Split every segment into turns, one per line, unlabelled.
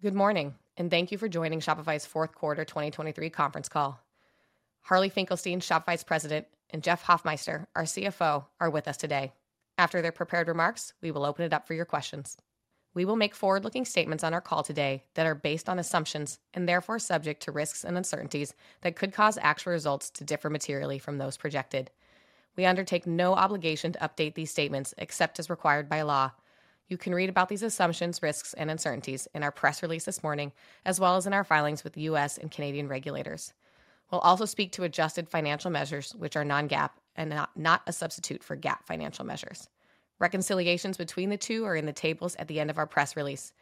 Good morning, and thank you for joining Shopify's Fourth Quarter 2023 Conference Call. Harley Finkelstein, Shopify's President, and Jeff Hoffmeister, our CFO, are with us today. After their prepared remarks, we will open it up for your questions. We will make forward-looking statements on our call today that are based on assumptions and therefore subject to risks and uncertainties that could cause actual results to differ materially from those projected. We undertake no obligation to update these statements except as required by law. You can read about these assumptions, risks, and uncertainties in our press release this morning, as well as in our filings with U.S. and Canadian regulators. We'll also speak to adjusted financial measures, which are non-GAAP and not a substitute for GAAP financial measures. Reconciliations between the two are in the tables at the end of our press release.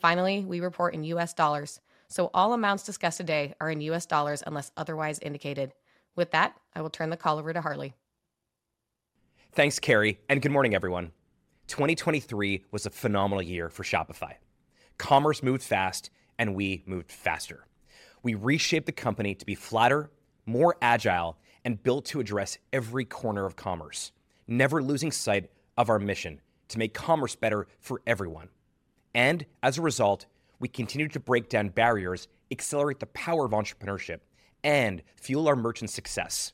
Finally, we report in U.S. dollars, so all amounts discussed today are in U.S. dollars unless otherwise indicated. With that, I will turn the call over to Harley.
Thanks, Carrie, and good morning, everyone. 2023 was a phenomenal year for Shopify. Commerce moved fast, and we moved faster. We reshaped the company to be flatter, more agile, and built to address every corner of commerce, never losing sight of our mission to make commerce better for everyone. As a result, we continued to break down barriers, accelerate the power of entrepreneurship, and fuel our merchants' success.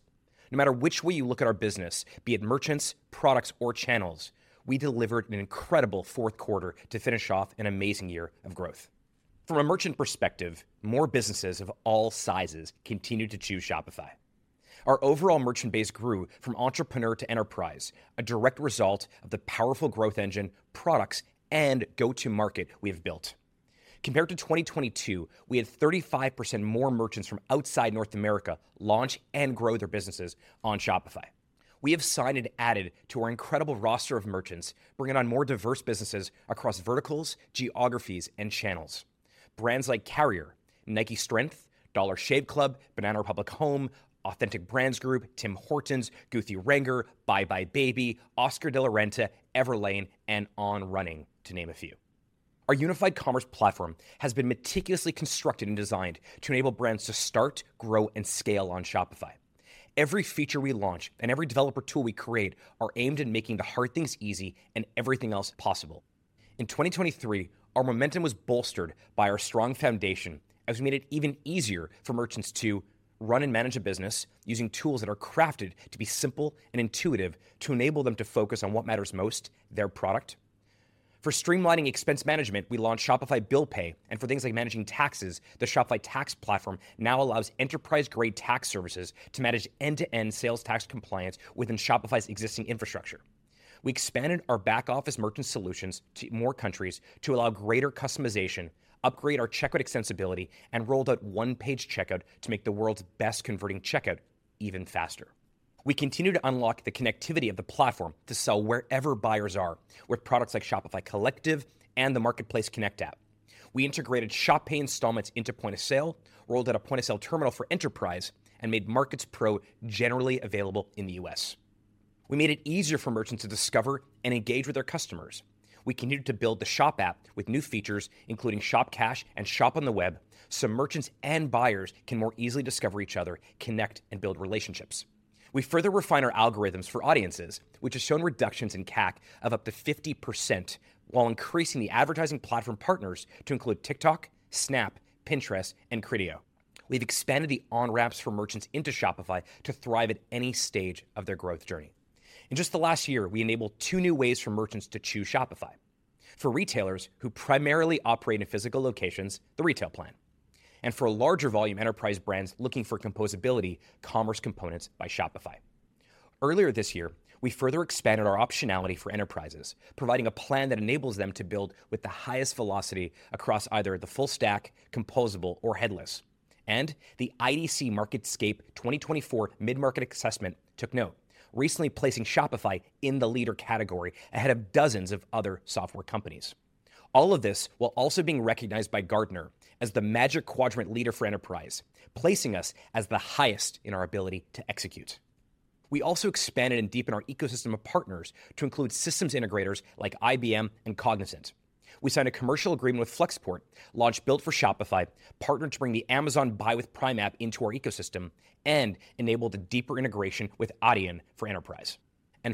No matter which way you look at our business, be it merchants, products, or channels, we delivered an incredible fourth quarter to finish off an amazing year of growth. From a merchant perspective, more businesses of all sizes continue to choose Shopify. Our overall merchant base grew from entrepreneur to enterprise, a direct result of the powerful growth engine, products, and go-to-market we have built. Compared to 2022, we had 35% more merchants from outside North America launch and grow their businesses on Shopify. We have signed and added to our incredible roster of merchants, bringing on more diverse businesses across verticals, geographies, and channels. Brands like Carrier, Nike Strength, Dollar Shave Club, Banana Republic Home, Authentic Brands Group, Tim Hortons, Goop, Wrangler, BuyBuy Baby, Oscar de la Renta, Everlane, and On Running, to name a few. Our unified commerce platform has been meticulously constructed and designed to enable brands to start, grow, and scale on Shopify. Every feature we launch and every developer tool we create are aimed at making the hard things easy and everything else possible. In 2023, our momentum was bolstered by our strong foundation as we made it even easier for merchants to: run and manage a business using tools that are crafted to be simple and intuitive to enable them to focus on what matters most, their product. For streamlining expense management, we launched Shopify Bill Pay, and for things like managing taxes, the Shopify Tax Platform now allows enterprise-grade tax services to manage end-to-end sales tax compliance within Shopify's existing infrastructure. We expanded our back-office merchant solutions to more countries to allow greater customization, upgrade our checkout extensibility, and rolled out One-Page Checkout to make the world's best-converting checkout even faster. We continued to unlock the connectivity of the platform to sell wherever buyers are, with products like Shopify Collective and the Marketplace Connect app. We integrated Shop Pay Installments into point-of-sale, rolled out a point-of-sale terminal for enterprise, and made Markets Pro generally available in the U.S. We made it easier for merchants to discover and engage with their customers. We continued to build the Shop app with new features, including Shop Cash and Shop on the Web, so merchants and buyers can more easily discover each other, connect, and build relationships. We further refined our algorithms for audiences, which has shown reductions in CAC of up to 50% while increasing the advertising platform partners to include TikTok, Snap, Pinterest, and Criteo. We've expanded the on-ramps for merchants into Shopify to thrive at any stage of their growth journey. In just the last year, we enabled two new ways for merchants to choose Shopify: for retailers who primarily operate in physical locations, the Retail Plan, and for larger-volume enterprise brands looking for composability, Commerce Components by Shopify. Earlier this year, we further expanded our optionality for enterprises, providing a plan that enables them to build with the highest velocity across either the full-stack, composable, or headless. The IDC MarketScape 2024 Mid-Market Assessment took note, recently placing Shopify in the leader category ahead of dozens of other software companies. All of this while also being recognized by Gartner as the Magic Quadrant leader for enterprise, placing us as the highest in our ability to execute. We also expanded and deepened our ecosystem of partners to include systems integrators like IBM and Cognizant. We signed a commercial agreement with Flexport, launched Built for Shopify, partnered to bring the Amazon Buy with Prime app into our ecosystem, and enabled a deeper integration with Adyen for enterprise.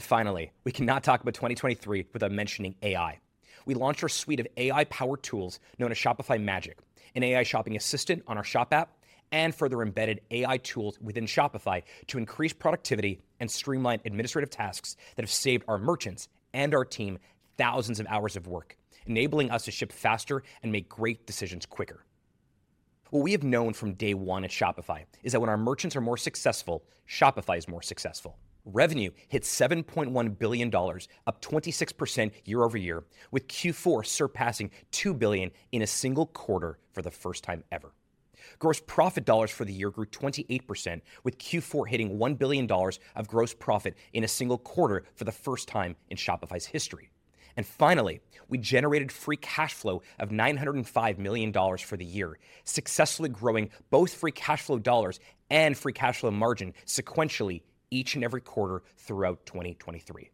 Finally, we cannot talk about 2023 without mentioning AI. We launched our suite of AI-powered tools known as Shopify Magic, an AI shopping assistant on our Shop app, and further embedded AI tools within Shopify to increase productivity and streamline administrative tasks that have saved our merchants and our team thousands of hours of work, enabling us to ship faster and make great decisions quicker. What we have known from day one at Shopify is that when our merchants are more successful, Shopify is more successful. Revenue hit $7.1 billion, up 26% year-over-year, with Q4 surpassing $2 billion in a single quarter for the first time ever. Gross profit dollars for the year grew 28%, with Q4 hitting $1 billion of gross profit in a single quarter for the first time in Shopify's history. Finally, we generated free cash flow of $905 million for the year, successfully growing both free cash flow dollars and free cash flow margin sequentially each and every quarter throughout 2023.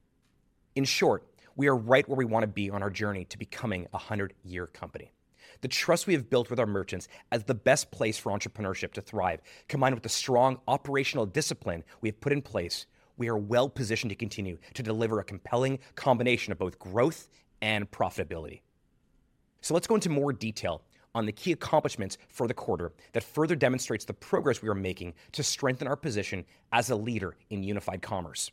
In short, we are right where we want to be on our journey to becoming a 100-year company. The trust we have built with our merchants as the best place for entrepreneurship to thrive, combined with the strong operational discipline we have put in place, we are well-positioned to continue to deliver a compelling combination of both growth and profitability. Let's go into more detail on the key accomplishments for the quarter that further demonstrate the progress we are making to strengthen our position as a leader in unified commerce.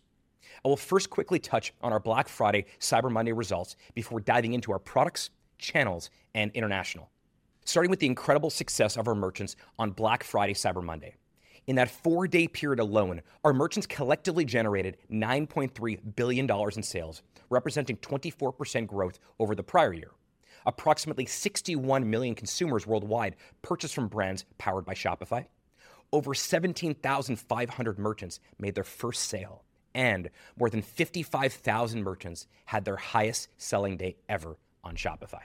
I will first quickly touch on our Black Friday Cyber Monday results before diving into our products, channels, and international. Starting with the incredible success of our merchants on Black Friday Cyber Monday. In that four-day period alone, our merchants collectively generated $9.3 billion in sales, representing 24% growth over the prior year. Approximately 61 million consumers worldwide purchased from brands powered by Shopify. Over 17,500 merchants made their first sale. More than 55,000 merchants had their highest selling day ever on Shopify.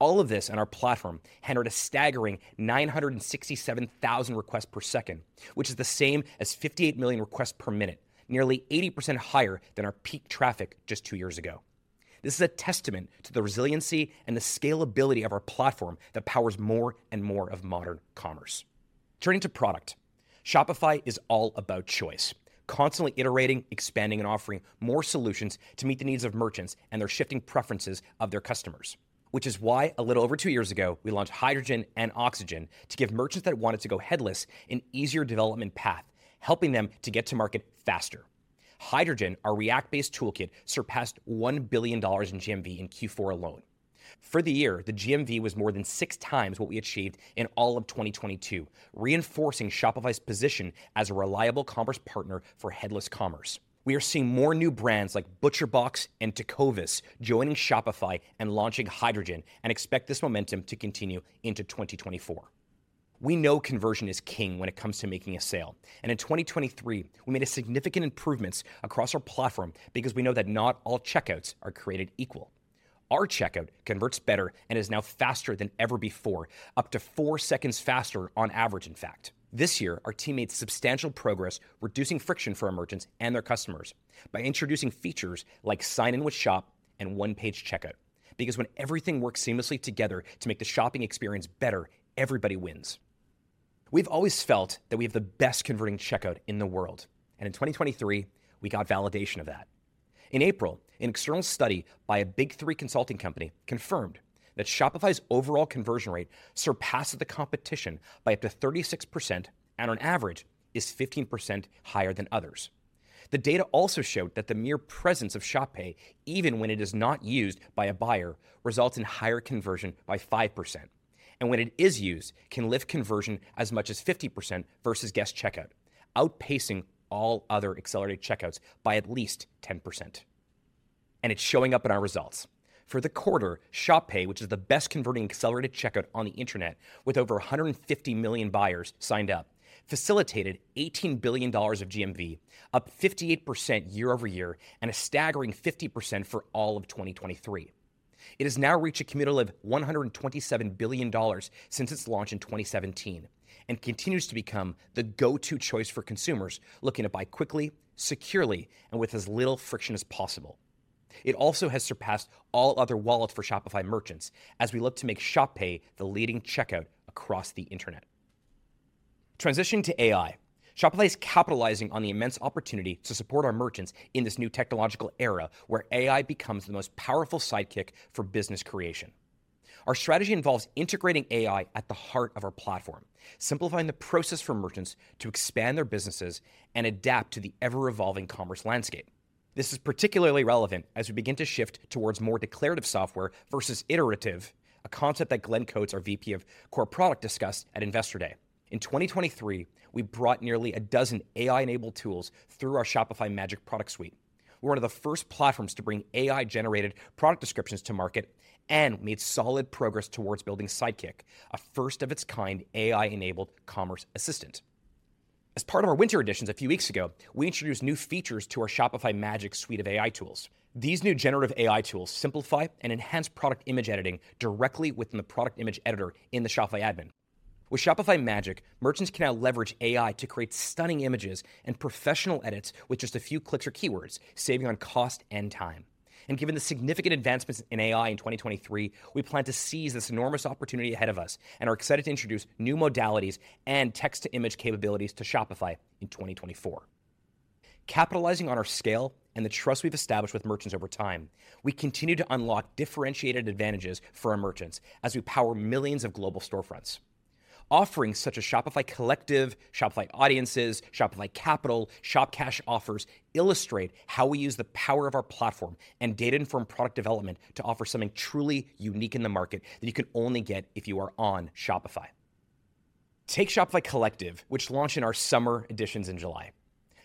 All of this and our platform generated a staggering 967,000 requests per second, which is the same as 58 million requests per minute, nearly 80% higher than our peak traffic just two years ago. This is a testament to the resiliency and the scalability of our platform that powers more and more of modern commerce. Turning to product: Shopify is all about choice, constantly iterating, expanding, and offering more solutions to meet the needs of merchants and their shifting preferences of their customers. Which is why, a little over two years ago, we launched Hydrogen and Oxygen to give merchants that wanted to go headless an easier development path, helping them to get to market faster. Hydrogen, our React-based toolkit, surpassed $1 billion in GMV in Q4 alone. For the year, the GMV was more than six times what we achieved in all of 2022, reinforcing Shopify's position as a reliable commerce partner for headless commerce. We are seeing more new brands like ButcherBox and Tecovas joining Shopify and launching Hydrogen, and expect this momentum to continue into 2024. We know conversion is king when it comes to making a sale, and in 2023, we made significant improvements across our platform because we know that not all checkouts are created equal. Our checkout converts better and is now faster than ever before, up to four seconds faster on average, in fact. This year, our team made substantial progress reducing friction for our merchants and their customers by introducing features like Sign In with Shop and One-Page Checkout, because when everything works seamlessly together to make the shopping experience better, everybody wins. We've always felt that we have the best-converting checkout in the world, and in 2023, we got validation of that. In April, an external study by a Big Three consulting company confirmed that Shopify's overall conversion rate surpassed the competition by up to 36% and, on average, is 15% higher than others. The data also showed that the mere presence of Shop Pay, even when it is not used by a buyer, results in higher conversion by 5%, and when it is used, can lift conversion as much as 50% versus Guest Checkout, outpacing all other accelerated checkouts by at least 10%. It's showing up in our results. For the quarter, Shop Pay, which is the best-converting accelerated checkout on the internet with over 150 million buyers signed up, facilitated $18 billion of GMV, up 58% year-over-year, and a staggering 50% for all of 2023. It has now reached a cumulative $127 billion since its launch in 2017 and continues to become the go-to choice for consumers looking to buy quickly, securely, and with as little friction as possible. It also has surpassed all other wallets for Shopify merchants as we look to make Shop Pay the leading checkout across the internet. Transitioning to AI: Shopify is capitalizing on the immense opportunity to support our merchants in this new technological era where AI becomes the most powerful sidekick for business creation. Our strategy involves integrating AI at the heart of our platform, simplifying the process for merchants to expand their businesses and adapt to the ever-evolving commerce landscape. This is particularly relevant as we begin to shift towards more declarative software versus iterative, a concept that Glenn Coates, our VP of Core Product, discussed at Investor Day. In 2023, we brought nearly a dozen AI-enabled tools through our Shopify Magic product suite. We're one of the first platforms to bring AI-generated product descriptions to market, and we made solid progress towards building Sidekick, a first-of-its-kind AI-enabled commerce assistant. As part of our Winter Editions a few weeks ago, we introduced new features to our Shopify Magic suite of AI tools. These new generative AI tools simplify and enhance product image editing directly within the product image editor in the Shopify admin. With Shopify Magic, merchants can now leverage AI to create stunning images and professional edits with just a few clicks or keywords, saving on cost and time. Given the significant advancements in AI in 2023, we plan to seize this enormous opportunity ahead of us and are excited to introduce new modalities and text-to-image capabilities to Shopify in 2024. Capitalizing on our scale and the trust we've established with merchants over time, we continue to unlock differentiated advantages for our merchants as we power millions of global storefronts. Offerings such as Shopify Collective, Shopify Audiences, Shopify Capital, and Shop Cash offers illustrate how we use the power of our platform and data-informed product development to offer something truly unique in the market that you can only get if you are on Shopify. Take Shopify Collective, which launched in our summer editions in July.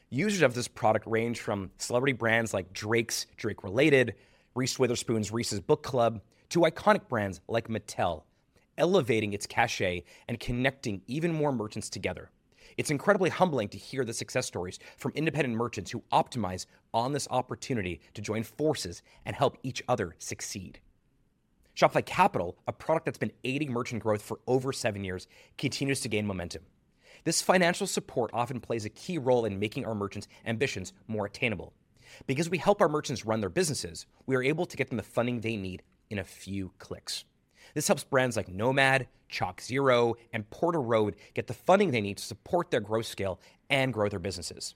Users of this product ranged from celebrity brands like Drake's Drake Related, Reese Witherspoon's Reese's Book Club, to iconic brands like Mattel, elevating its cachet and connecting even more merchants together. It's incredibly humbling to hear the success stories from independent merchants who optimized on this opportunity to join forces and help each other succeed. Shopify Capital, a product that's been aiding merchant growth for over seven years, continues to gain momentum. This financial support often plays a key role in making our merchants' ambitions more attainable. Because we help our merchants run their businesses, we are able to get them the funding they need in a few clicks. This helps brands like Nomad, ChocZero, and Porter Road get the funding they need to support their growth scale and grow their businesses.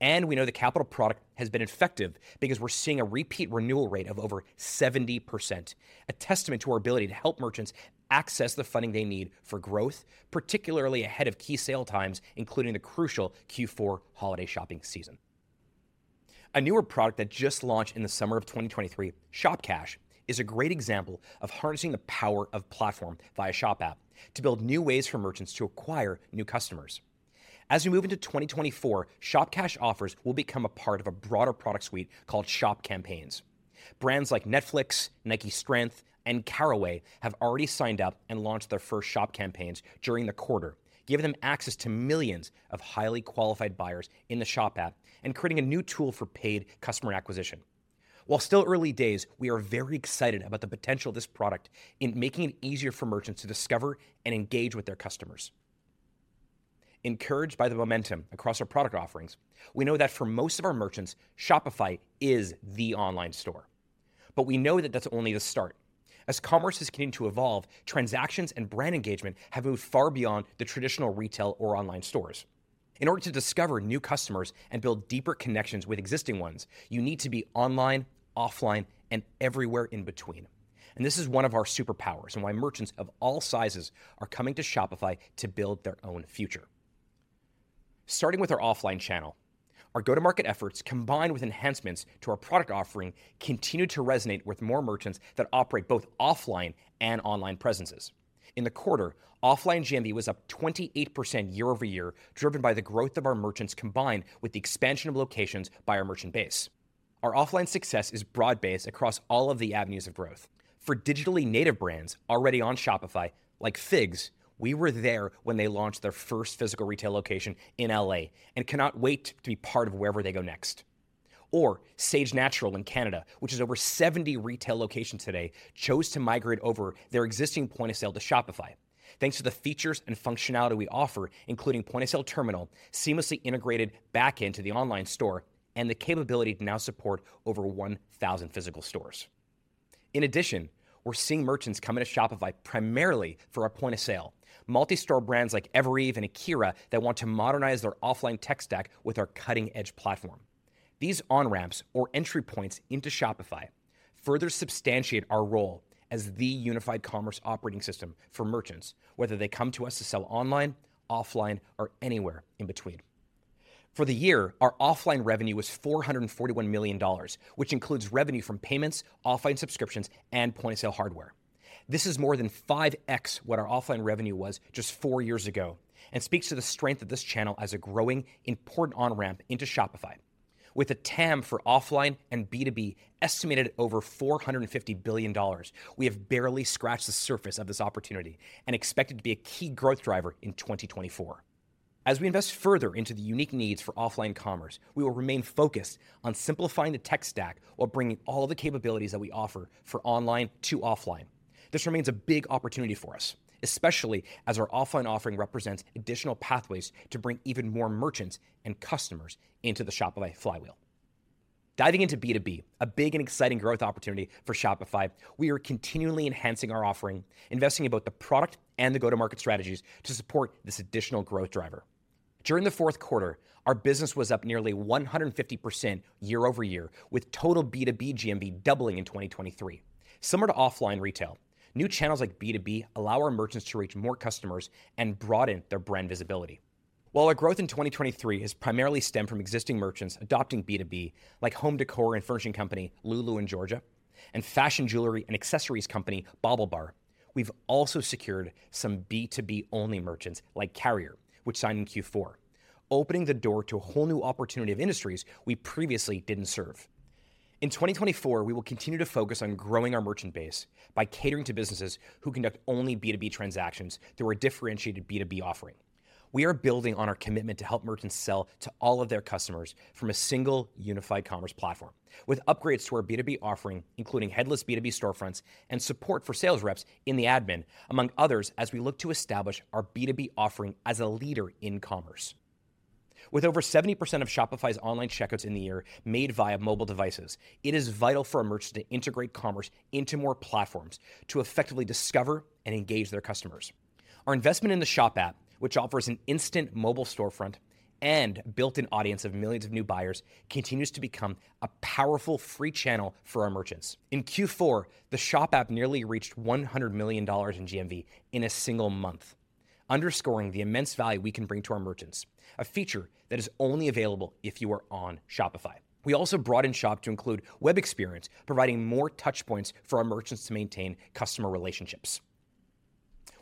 And we know the Capital product has been effective because we're seeing a repeat renewal rate of over 70%, a testament to our ability to help merchants access the funding they need for growth, particularly ahead of key sale times, including the crucial Q4 holiday shopping season. A newer product that just launched in the summer of 2023, Shop Cash, is a great example of harnessing the power of platform via Shop app to build new ways for merchants to acquire new customers. As we move into 2024, Shop Cash offers will become a part of a broader product suite called Shop Campaigns. Brands like Netflix, Nike Strength, and Caraway have already signed up and launched their first Shop Campaigns during the quarter, giving them access to millions of highly qualified buyers in the Shop app and creating a new tool for paid customer acquisition. While still early days, we are very excited about the potential of this product in making it easier for merchants to discover and engage with their customers. Encouraged by the momentum across our product offerings, we know that for most of our merchants, Shopify is the online store. But we know that that's only the start. As commerce has continued to evolve, transactions and brand engagement have moved far beyond the traditional retail or online stores. In order to discover new customers and build deeper connections with existing ones, you need to be online, offline, and everywhere in between. This is one of our superpowers and why merchants of all sizes are coming to Shopify to build their own future. Starting with our offline channel, our go-to-market efforts combined with enhancements to our product offering continue to resonate with more merchants that operate both offline and online presences. In the quarter, offline GMV was up 28% year-over-year, driven by the growth of our merchants combined with the expansion of locations by our merchant base. Our offline success is broad-based across all of the avenues of growth. For digitally native brands already on Shopify, like FIGS, we were there when they launched their first physical retail location in L.A. and cannot wait to be part of wherever they go next. Or Saje Natural in Canada, which has over 70 retail locations today, chose to migrate over their existing point-of-sale to Shopify, thanks to the features and functionality we offer, including point-of-sale terminal, seamlessly integrated back into the online store, and the capability to now support over 1,000 physical stores. In addition, we're seeing merchants come into Shopify primarily for our point-of-sale: multi-store brands like Evereve and Akira that want to modernize their offline tech stack with our cutting-edge platform. These on-ramps, or entry points, into Shopify further substantiate our role as the unified commerce operating system for merchants, whether they come to us to sell online, offline, or anywhere in between. For the year, our offline revenue was $441 million, which includes revenue from payments, offline subscriptions, and point-of-sale hardware. This is more than 5x what our offline revenue was just four years ago and speaks to the strength of this channel as a growing, important on-ramp into Shopify. With a TAM for offline and B2B estimated at over $450 billion, we have barely scratched the surface of this opportunity and expect it to be a key growth driver in 2024. As we invest further into the unique needs for offline commerce, we will remain focused on simplifying the tech stack while bringing all of the capabilities that we offer for online to offline. This remains a big opportunity for us, especially as our offline offering represents additional pathways to bring even more merchants and customers into the Shopify flywheel. Diving into B2B, a big and exciting growth opportunity for Shopify, we are continually enhancing our offering, investing in both the product and the go-to-market strategies to support this additional growth driver. During the fourth quarter, our business was up nearly 150% year-over-year, with total B2B GMV doubling in 2023. Similar to offline retail, new channels like B2B allow our merchants to reach more customers and broaden their brand visibility. While our growth in 2023 has primarily stemmed from existing merchants adopting B2B, like home decor and furnishing company Lulu and Georgia, and fashion, jewelry, and accessories company BaubleBar, we've also secured some B2B-only merchants like Carrier, which signed in Q4, opening the door to a whole new opportunity of industries we previously didn't serve. In 2024, we will continue to focus on growing our merchant base by catering to businesses who conduct only B2B transactions through our differentiated B2B offering. We are building on our commitment to help merchants sell to all of their customers from a single, unified commerce platform, with upgrades to our B2B offering, including headless B2B storefronts and support for sales reps in the admin, among others, as we look to establish our B2B offering as a leader in commerce. With over 70% of Shopify's online checkouts in the year made via mobile devices, it is vital for our merchants to integrate commerce into more platforms to effectively discover and engage their customers. Our investment in the Shop app, which offers an instant mobile storefront and built-in audience of millions of new buyers, continues to become a powerful free channel for our merchants. In Q4, the Shop app nearly reached $100 million in GMV in a single month, underscoring the immense value we can bring to our merchants, a feature that is only available if you are on Shopify. We also brought in Shop to include web experience, providing more touchpoints for our merchants to maintain customer relationships.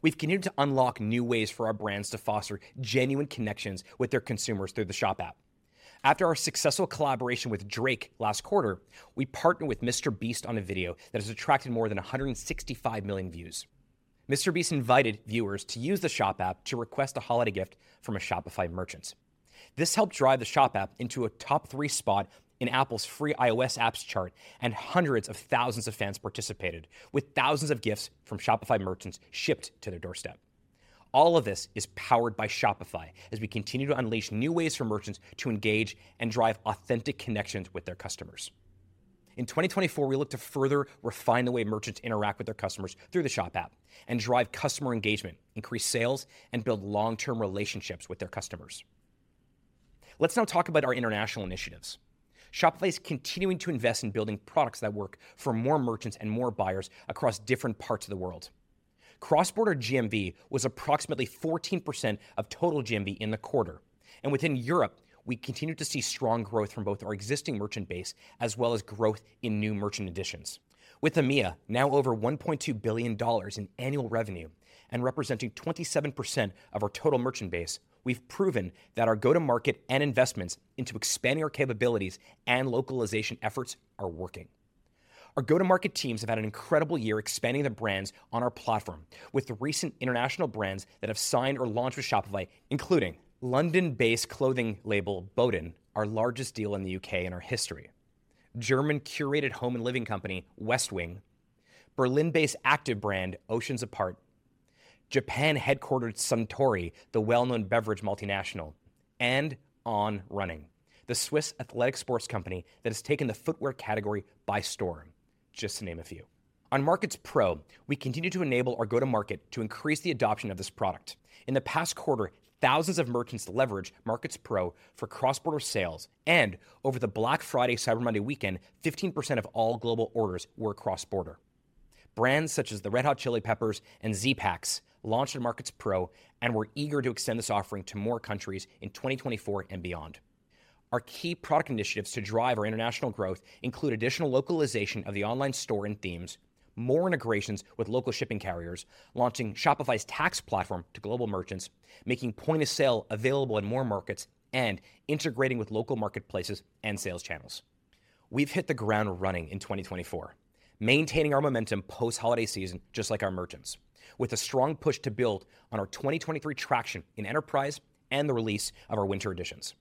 We've continued to unlock new ways for our brands to foster genuine connections with their consumers through the Shop app. After our successful collaboration with Drake last quarter, we partnered with MrBeast on a video that has attracted more than 165 million views. MrBeast invited viewers to use the Shop app to request a holiday gift from Shopify merchants. This helped drive the Shop app into a top-three spot in Apple's free iOS apps chart, and hundreds of thousands of fans participated, with thousands of gifts from Shopify merchants shipped to their doorstep. All of this is powered by Shopify, as we continue to unleash new ways for merchants to engage and drive authentic connections with their customers. In 2024, we look to further refine the way merchants interact with their customers through the Shop app and drive customer engagement, increase sales, and build long-term relationships with their customers. Let's now talk about our international initiatives. Shopify is continuing to invest in building products that work for more merchants and more buyers across different parts of the world. Cross-border GMV was approximately 14% of total GMV in the quarter, and within Europe, we continue to see strong growth from both our existing merchant base as well as growth in new merchant additions. With EMEA now over $1.2 billion in annual revenue and representing 27% of our total merchant base, we've proven that our go-to-market and investments into expanding our capabilities and localization efforts are working. Our go-to-market teams have had an incredible year expanding their brands on our platform, with recent international brands that have signed or launched with Shopify, including: London-based clothing label Boden, our largest deal in the UK in our history; German curated home and living company Westwing; Berlin-based active brand Oceans Apart; Japan-headquartered Suntory, the well-known beverage multinational; and On Running, the Swiss athletic sports company that has taken the footwear category by storm, just to name a few. On Markets Pro, we continue to enable our go-to-market to increase the adoption of this product. In the past quarter, thousands of merchants leveraged Markets Pro for cross-border sales, and over the Black Friday/Cyber Monday weekend, 15% of all global orders were cross-border. Brands such as the Red Hot Chili Peppers and Zpacks launched on Markets Pro and were eager to extend this offering to more countries in 2024 and beyond. Our key product initiatives to drive our international growth include additional localization of the online store and themes, more integrations with local shipping carriers, launching Shopify's tax platform to global merchants, making point-of-sale available in more markets, and integrating with local marketplaces and sales channels. We've hit the ground running in 2024, maintaining our momentum post-holiday season just like our merchants, with a strong push to build on our 2023 traction in enterprise and the release of our Winter Editions.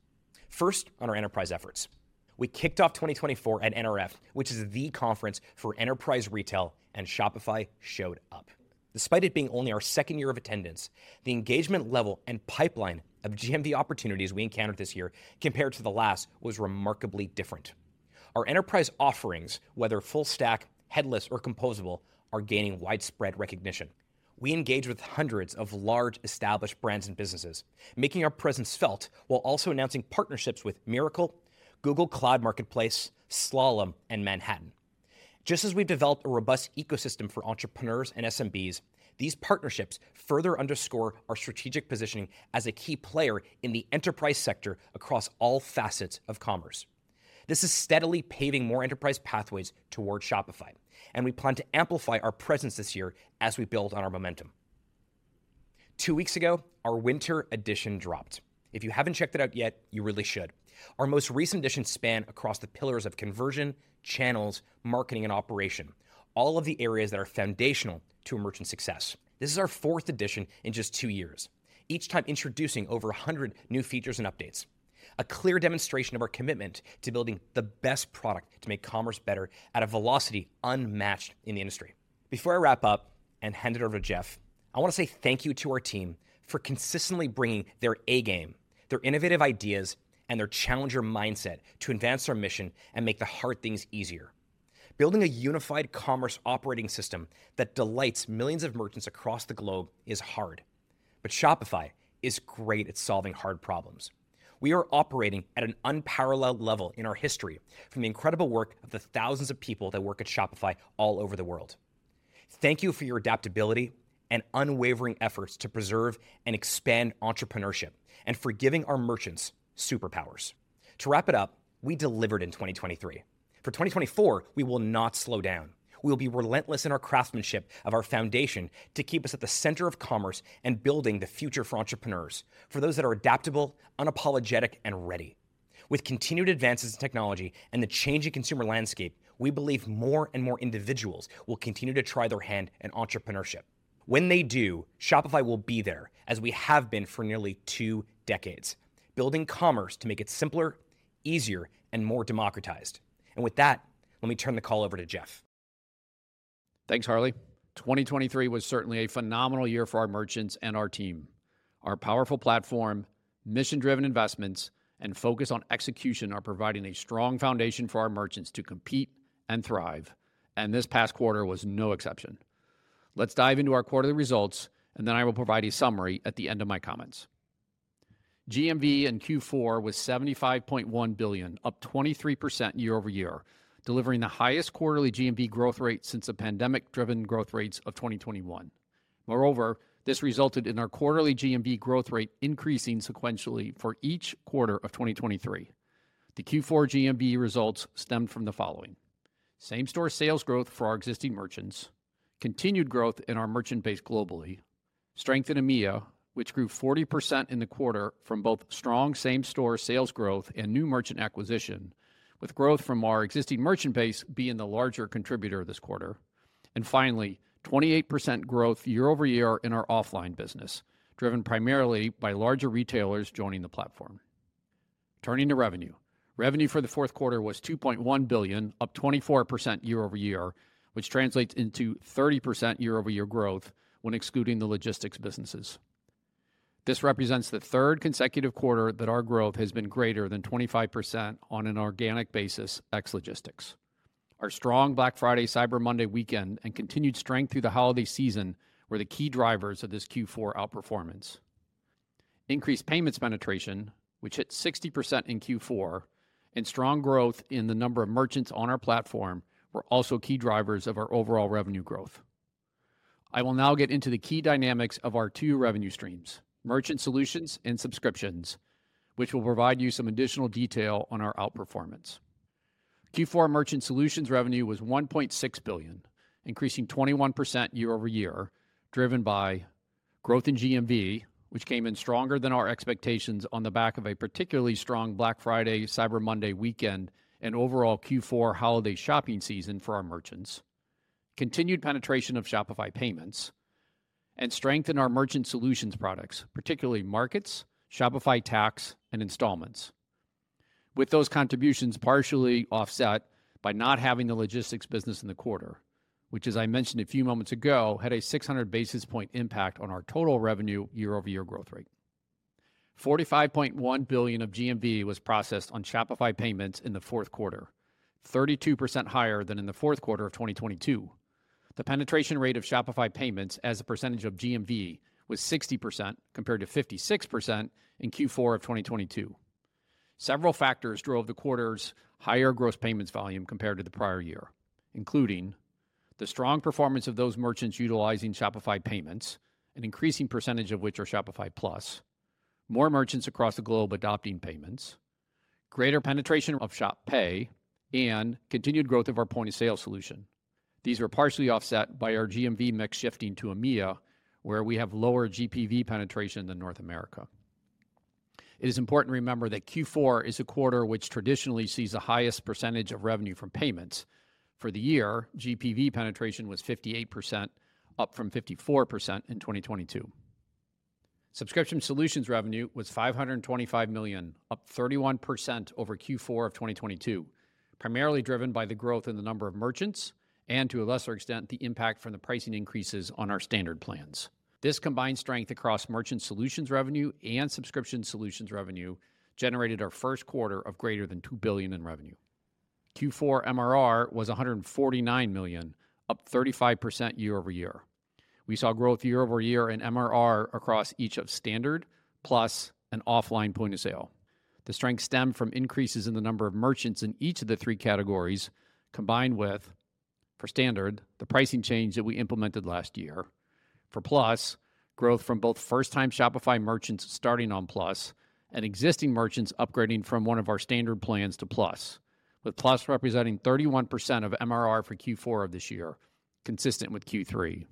First, on our enterprise efforts: We kicked off 2024 at NRF, which is the conference for enterprise retail, and Shopify showed up. Despite it being only our second year of attendance, the engagement level and pipeline of GMV opportunities we encountered this year compared to the last was remarkably different. Our enterprise offerings, whether full-stack, headless, or composable, are gaining widespread recognition. We engage with hundreds of large, established brands and businesses, making our presence felt while also announcing partnerships with Mirakl, Google Cloud Marketplace, Slalom, and Manhattan. Just as we've developed a robust ecosystem for entrepreneurs and SMBs, these partnerships further underscore our strategic positioning as a key player in the enterprise sector across all facets of commerce. This is steadily paving more enterprise pathways toward Shopify, and we plan to amplify our presence this year as we build on our momentum. Two weeks ago, our Winter Editions dropped. If you haven't checked it out yet, you really should. Our most recent editions span across the pillars of conversion, channels, marketing, and operation, all of the areas that are foundational to a merchant's success. This is our fourth edition in just 2 years, each time introducing over 100 new features and updates, a clear demonstration of our commitment to building the best product to make commerce better at a velocity unmatched in the industry. Before I wrap up and hand it over to Jeff, I want to say thank you to our team for consistently bringing their A-game, their innovative ideas, and their challenger mindset to advance our mission and make the hard things easier. Building a unified commerce operating system that delights millions of merchants across the globe is hard, but Shopify is great at solving hard problems. We are operating at an unparalleled level in our history from the incredible work of the thousands of people that work at Shopify all over the world. Thank you for your adaptability and unwavering efforts to preserve and expand entrepreneurship, and for giving our merchants superpowers. To wrap it up, we delivered in 2023. For 2024, we will not slow down. We will be relentless in our craftsmanship of our foundation to keep us at the center of commerce and building the future for entrepreneurs, for those that are adaptable, unapologetic, and ready. With continued advances in technology and the changing consumer landscape, we believe more and more individuals will continue to try their hand in entrepreneurship. When they do, Shopify will be there as we have been for nearly two decades, building commerce to make it simpler, easier, and more democratized. With that, let me turn the call over to Jeff.
Thanks, Harley. 2023 was certainly a phenomenal year for our merchants and our team. Our powerful platform, mission-driven investments, and focus on execution are providing a strong foundation for our merchants to compete and thrive, and this past quarter was no exception. Let's dive into our quarterly results, and then I will provide a summary at the end of my comments. GMV in Q4 was $75.1 billion, up 23% year-over-year, delivering the highest quarterly GMV growth rate since the pandemic-driven growth rates of 2021. Moreover, this resulted in our quarterly GMV growth rate increasing sequentially for each quarter of 2023. The Q4 GMV results stemmed from the following: same-store sales growth for our existing merchants, continued growth in our merchant base globally, strength in EMEA, which grew 40% in the quarter from both strong same-store sales growth and new merchant acquisition, with growth from our existing merchant base being the larger contributor this quarter, and finally, 28% growth year-over-year in our offline business, driven primarily by larger retailers joining the platform. Turning to revenue: revenue for the fourth quarter was $2.1 billion, up 24% year-over-year, which translates into 30% year-over-year growth when excluding the logistics businesses. This represents the third consecutive quarter that our growth has been greater than 25% on an organic basis ex-logistics. Our strong Black Friday/Cyber Monday weekend and continued strength through the holiday season were the key drivers of this Q4 outperformance. Increased payments penetration, which hit 60% in Q4, and strong growth in the number of merchants on our platform were also key drivers of our overall revenue growth. I will now get into the key dynamics of our two revenue streams: merchant solutions and subscriptions, which will provide you some additional detail on our outperformance. Q4 merchant solutions revenue was $1.6 billion, increasing 21% year-over-year, driven by growth in GMV, which came in stronger than our expectations on the back of a particularly strong Black Friday/Cyber Monday weekend and overall Q4 holiday shopping season for our merchants. Continued penetration of Shopify Payments. And strength in our merchant solutions products, particularly Markets, Shopify Tax, and Installments. With those contributions partially offset by not having the logistics business in the quarter, which, as I mentioned a few moments ago, had a 600 basis point impact on our total revenue year-over-year growth rate. $45.1 billion of GMV was processed on Shopify Payments in the fourth quarter, 32% higher than in the fourth quarter of 2022. The penetration rate of Shopify Payments as a percentage of GMV was 60% compared to 56% in Q4 of 2022. Several factors drove the quarter's higher gross payments volume compared to the prior year, including: the strong performance of those merchants utilizing Shopify Payments, an increasing percentage of which are Shopify Plus; more merchants across the globe adopting payments; greater penetration of Shop Pay; and continued growth of our point-of-sale solution. These were partially offset by our GMV mix shifting to EMEA, where we have lower GPV penetration than North America. It is important to remember that Q4 is a quarter which traditionally sees the highest percentage of revenue from payments. For the year, GPV penetration was 58%, up from 54% in 2022. Subscription solutions revenue was $525 million, up 31% over Q4 of 2022, primarily driven by the growth in the number of merchants and, to a lesser extent, the impact from the pricing increases on our standard plans. This combined strength across merchant solutions revenue and subscription solutions revenue generated our first quarter of greater than $2 billion in revenue. Q4 MRR was $149 million, up 35% year-over-year. We saw growth year-over-year in MRR across each of Standard, Plus, and offline point-of-sale. The strength stemmed from increases in the number of merchants in each of the three categories, combined with for Standard, the pricing change that we implemented last year. For Plus, growth from both first-time Shopify merchants starting on Plus and existing merchants upgrading from one of our standard plans to Plus, with Plus representing 31% of MRR for Q4 of this year, consistent with Q3.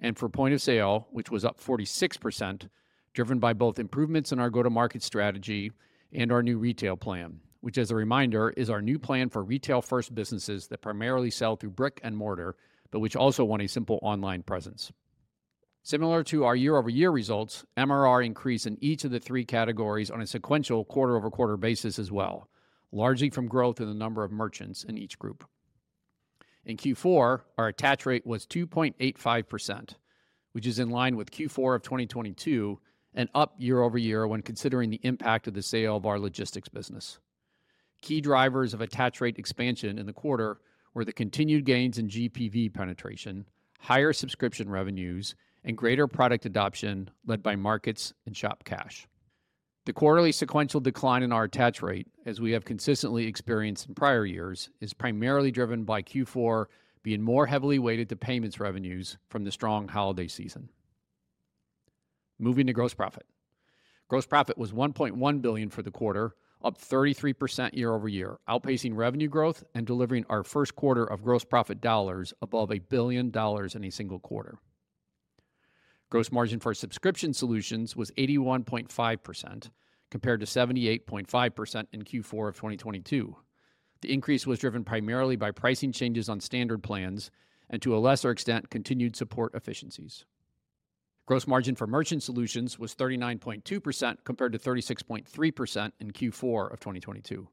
And for point-of-sale, which was up 46%, driven by both improvements in our go-to-market strategy and our new retail plan, which, as a reminder, is our new plan for retail-first businesses that primarily sell through brick and mortar but which also want a simple online presence. Similar to our year-over-year results, MRR increased in each of the three categories on a sequential quarter-over-quarter basis as well, largely from growth in the number of merchants in each group. In Q4, our attach rate was 2.85%, which is in line with Q4 of 2022 and up year-over-year when considering the impact of the sale of our logistics business. Key drivers of attach rate expansion in the quarter were the continued gains in GPV penetration, higher subscription revenues, and greater product adoption led by Markets and Shop Cash. The quarterly sequential decline in our attach rate, as we have consistently experienced in prior years, is primarily driven by Q4 being more heavily weighted to payments revenues from the strong holiday season. Moving to gross profit: gross profit was $1.1 billion for the quarter, up 33% year-over-year, outpacing revenue growth and delivering our first quarter of gross profit dollars above $1 billion in a single quarter. Gross margin for subscription solutions was 81.5%, compared to 78.5% in Q4 of 2022. The increase was driven primarily by pricing changes on standard plans and, to a lesser extent, continued support efficiencies. Gross margin for Merchant Solutions was 39.2%, compared to 36.3% in Q4 of 2022.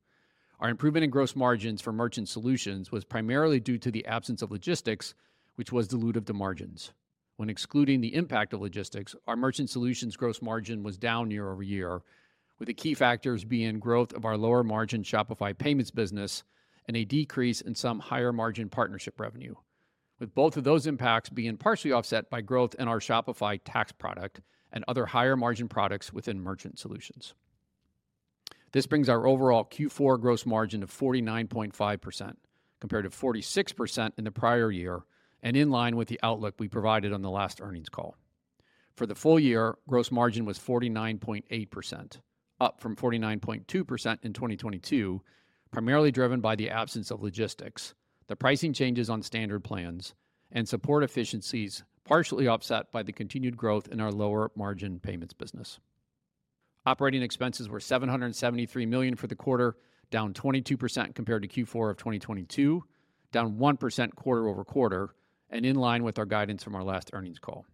Our improvement in gross margins for Merchant Solutions was primarily due to the absence of logistics, which was dilutive to margins. When excluding the impact of logistics, our Merchant Solutions gross margin was down year-over-year, with the key factors being growth of our lower-margin Shopify Payments business and a decrease in some higher-margin partnership revenue, with both of those impacts being partially offset by growth in our Shopify Tax product and other higher-margin products within Merchant Solutions. This brings our overall Q4 gross margin to 49.5%, compared to 46% in the prior year and in line with the outlook we provided on the last earnings call. For the full year, gross margin was 49.8%, up from 49.2% in 2022, primarily driven by the absence of logistics, the pricing changes on standard plans, and support efficiencies partially offset by the continued growth in our lower-margin payments business. Operating expenses were $773 million for the quarter, down 22% compared to Q4 of 2022, down 1% quarter-over-quarter, and in line with our guidance from our last earnings call.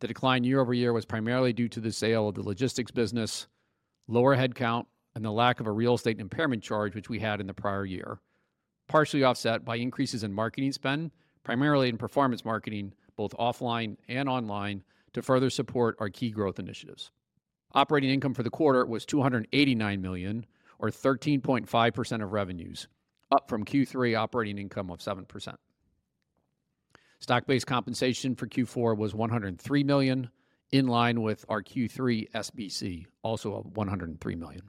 The decline year-over-year was primarily due to the sale of the logistics business, lower headcount, and the lack of a real estate impairment charge which we had in the prior year, partially offset by increases in marketing spend, primarily in performance marketing both offline and online, to further support our key growth initiatives. Operating income for the quarter was $289 million, or 13.5% of revenues, up from Q3 operating income of 7%. Stock-based compensation for Q4 was $103 million, in line with our Q3 SBC, also up $103 million.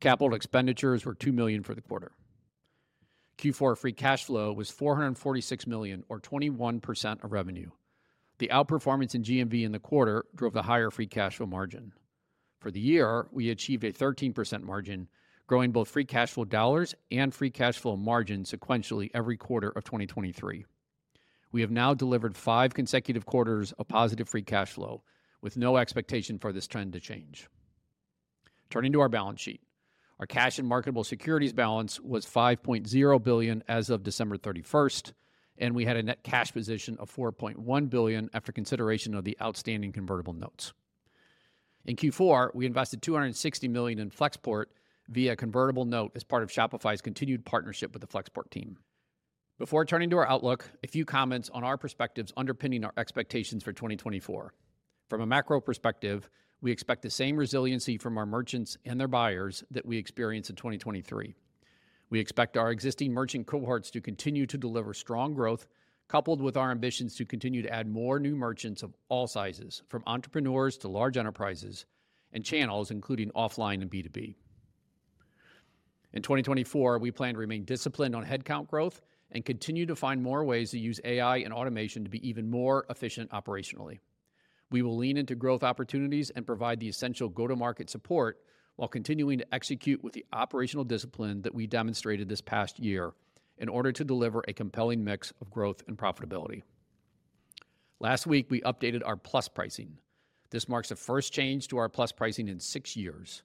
Capital expenditures were $2 million for the quarter. Q4 free cash flow was $446 million, or 21% of revenue. The outperformance in GMV in the quarter drove the higher free cash flow margin. For the year, we achieved a 13% margin, growing both free cash flow dollars and free cash flow margin sequentially every quarter of 2023. We have now delivered five consecutive quarters of positive free cash flow, with no expectation for this trend to change. Turning to our balance sheet: our cash and marketable securities balance was $5.0 billion as of December 31st, and we had a net cash position of $4.1 billion after consideration of the outstanding convertible notes. In Q4, we invested $260 million in Flexport via a convertible note as part of Shopify's continued partnership with the Flexport team. Before turning to our outlook, a few comments on our perspectives underpinning our expectations for 2024. From a macro perspective, we expect the same resiliency from our merchants and their buyers that we experienced in 2023. We expect our existing merchant cohorts to continue to deliver strong growth, coupled with our ambitions to continue to add more new merchants of all sizes, from entrepreneurs to large enterprises, and channels including offline and B2B. In 2024, we plan to remain disciplined on headcount growth and continue to find more ways to use AI and automation to be even more efficient operationally. We will lean into growth opportunities and provide the essential go-to-market support while continuing to execute with the operational discipline that we demonstrated this past year in order to deliver a compelling mix of growth and profitability. Last week, we updated our Plus pricing. This marks the first change to our Plus pricing in six years.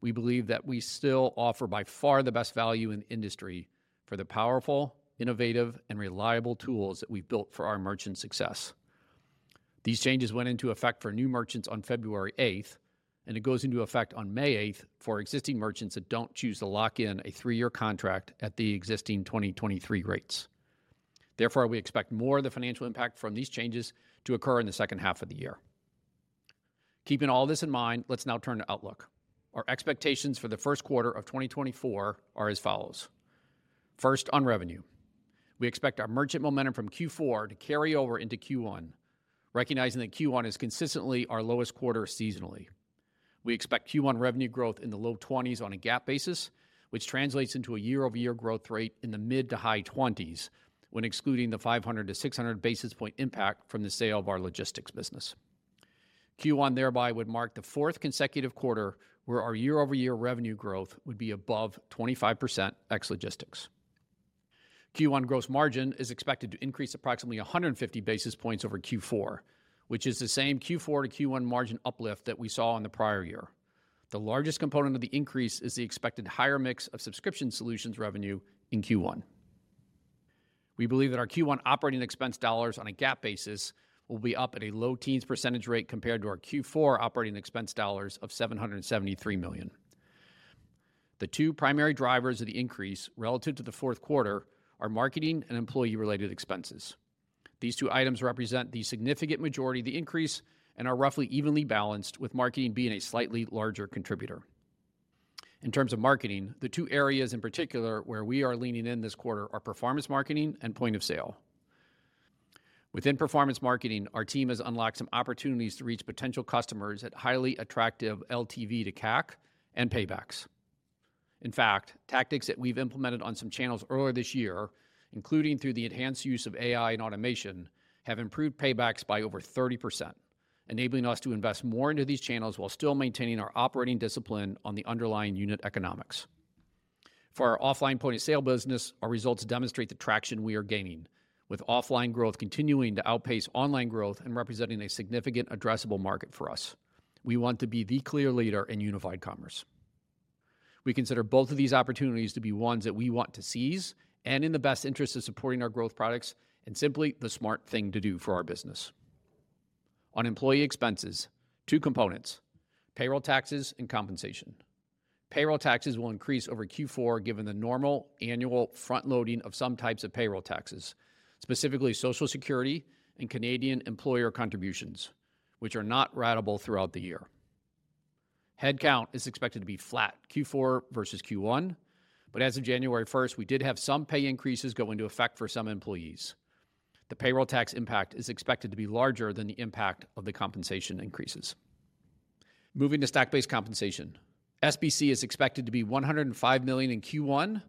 We believe that we still offer by far the best value in the industry for the powerful, innovative, and reliable tools that we've built for our merchant success. These changes went into effect for new merchants on February 8th, and it goes into effect on May 8th for existing merchants that don't choose to lock in a three-year contract at the existing 2023 rates. Therefore, we expect more of the financial impact from these changes to occur in the second half of the year. Keeping all this in mind, let's now turn to outlook. Our expectations for the first quarter of 2024 are as follows. First, on revenue. We expect our merchant momentum from Q4 to carry over into Q1, recognizing that Q1 is consistently our lowest quarter seasonally. We expect Q1 revenue growth in the low 20s on a GAAP basis, which translates into a year-over-year growth rate in the mid- to high 20s when excluding the 500-600 basis point impact from the sale of our logistics business. Q1 thereby would mark the fourth consecutive quarter where our year-over-year revenue growth would be above 25% ex-logistics. Q1 gross margin is expected to increase approximately 150 basis points over Q4, which is the same Q4 to Q1 margin uplift that we saw in the prior year. The largest component of the increase is the expected higher mix of subscription solutions revenue in Q1. We believe that our Q1 operating expense dollars on a GAAP basis will be up at a low-teens % rate compared to our Q4 operating expense dollars of $773 million. The two primary drivers of the increase relative to the fourth quarter are marketing and employee-related expenses. These two items represent the significant majority of the increase and are roughly evenly balanced, with marketing being a slightly larger contributor. In terms of marketing, the two areas in particular where we are leaning in this quarter are performance marketing and point-of-sale. Within performance marketing, our team has unlocked some opportunities to reach potential customers at highly attractive LTV to CAC and paybacks. In fact, tactics that we've implemented on some channels earlier this year, including through the enhanced use of AI and automation, have improved paybacks by over 30%, enabling us to invest more into these channels while still maintaining our operating discipline on the underlying unit economics. For our offline point-of-sale business, our results demonstrate the traction we are gaining, with offline growth continuing to outpace online growth and representing a significant addressable market for us. We want to be the clear leader in unified commerce. We consider both of these opportunities to be ones that we want to seize and in the best interest of supporting our growth products and simply the smart thing to do for our business. On employee expenses, two components: payroll taxes and compensation. Payroll taxes will increase over Q4 given the normal annual front-loading of some types of payroll taxes, specifically Social Security and Canadian employer contributions, which are not ratable throughout the year. Headcount is expected to be flat Q4 versus Q1, but as of January 1st, we did have some pay increases go into effect for some employees. The payroll tax impact is expected to be larger than the impact of the compensation increases. Moving to stock-based compensation, SBC is expected to be $105 million in Q1,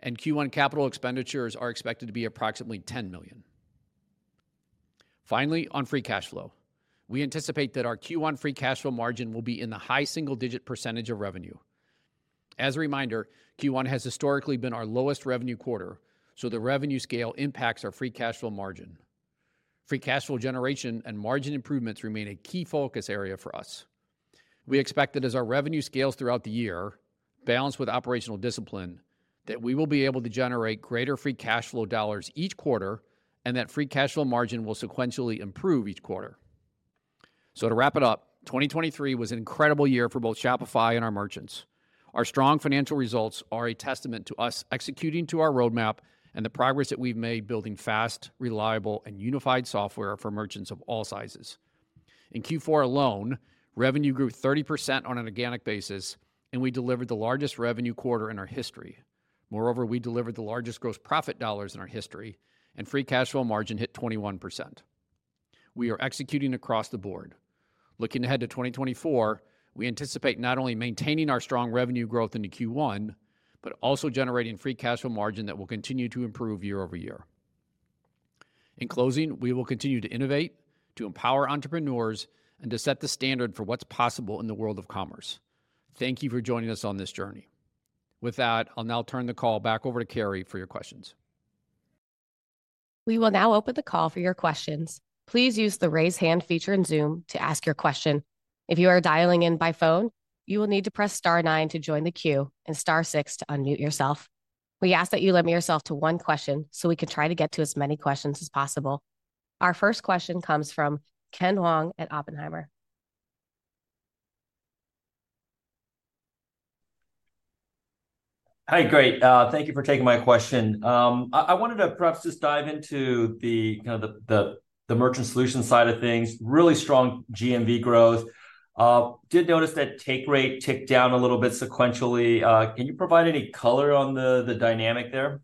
and Q1 capital expenditures are expected to be approximately $10 million. Finally, on free cash flow, we anticipate that our Q1 free cash flow margin will be in the high single-digit % of revenue. As a reminder, Q1 has historically been our lowest revenue quarter, so the revenue scale impacts our free cash flow margin. Free cash flow generation and margin improvements remain a key focus area for us. We expect that as our revenue scales throughout the year, balanced with operational discipline, that we will be able to generate greater free cash flow dollars each quarter and that free cash flow margin will sequentially improve each quarter. So, to wrap it up, 2023 was an incredible year for both Shopify and our merchants. Our strong financial results are a testament to us executing to our roadmap and the progress that we've made building fast, reliable, and unified software for merchants of all sizes. In Q4 alone, revenue grew 30% on an organic basis, and we delivered the largest revenue quarter in our history. Moreover, we delivered the largest gross profit dollars in our history, and free cash flow margin hit 21%. We are executing across the board. Looking ahead to 2024, we anticipate not only maintaining our strong revenue growth into Q1 but also generating free cash flow margin that will continue to improve year over year. In closing, we will continue to innovate, to empower entrepreneurs, and to set the standard for what's possible in the world of commerce. Thank you for joining us on this journey. With that, I'll now turn the call back over to Carrie for your questions.
We will now open the call for your questions. Please use the raise hand feature in Zoom to ask your question. If you are dialing in by phone, you will need to press star 9 to join the queue and star 6 to unmute yourself. We ask that you limit yourself to one question so we can try to get to as many questions as possible. Our first question comes from Ken Wong at Oppenheimer.
Hi, great. Thank you for taking my question. I wanted to perhaps just dive into the merchant solutions side of things. Really strong GMV growth. Did notice that take rate ticked down a little bit sequentially. Can you provide any color on the dynamic there?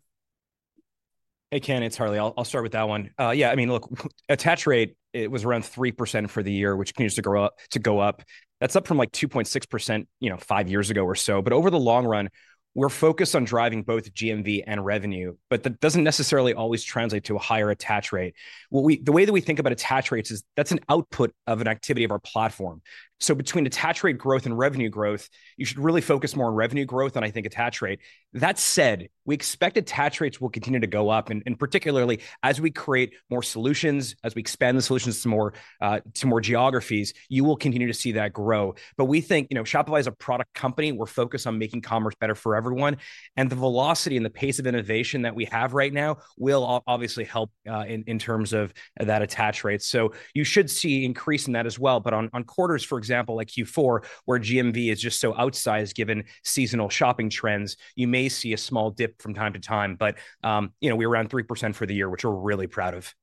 Hey, Ken, it's Harley. I'll start with that one. Yeah, I mean, look, attach rate, it was around 3% for the year, which continues to go up. That's up from like 2.6% five years ago or so. But over the long run, we're focused on driving both GMV and revenue, but that doesn't necessarily always translate to a higher attach rate. The way that we think about attach rates is that's an output of an activity of our platform. So, between attach rate growth and revenue growth, you should really focus more on revenue growth than, I think, attach rate. That said, we expect attach rates will continue to go up, and particularly as we create more solutions, as we expand the solutions to more geographies, you will continue to see that grow. But we think Shopify is a product company. We're focused on making commerce better for everyone, and the velocity and the pace of innovation that we have right now will obviously help in terms of that attach rate. So, you should see an increase in that as well. But on quarters, for example, like Q4, where GMV is just so outsized given seasonal shopping trends, you may see a small dip from time to time. But we're around 3% for the year, which we're really proud of.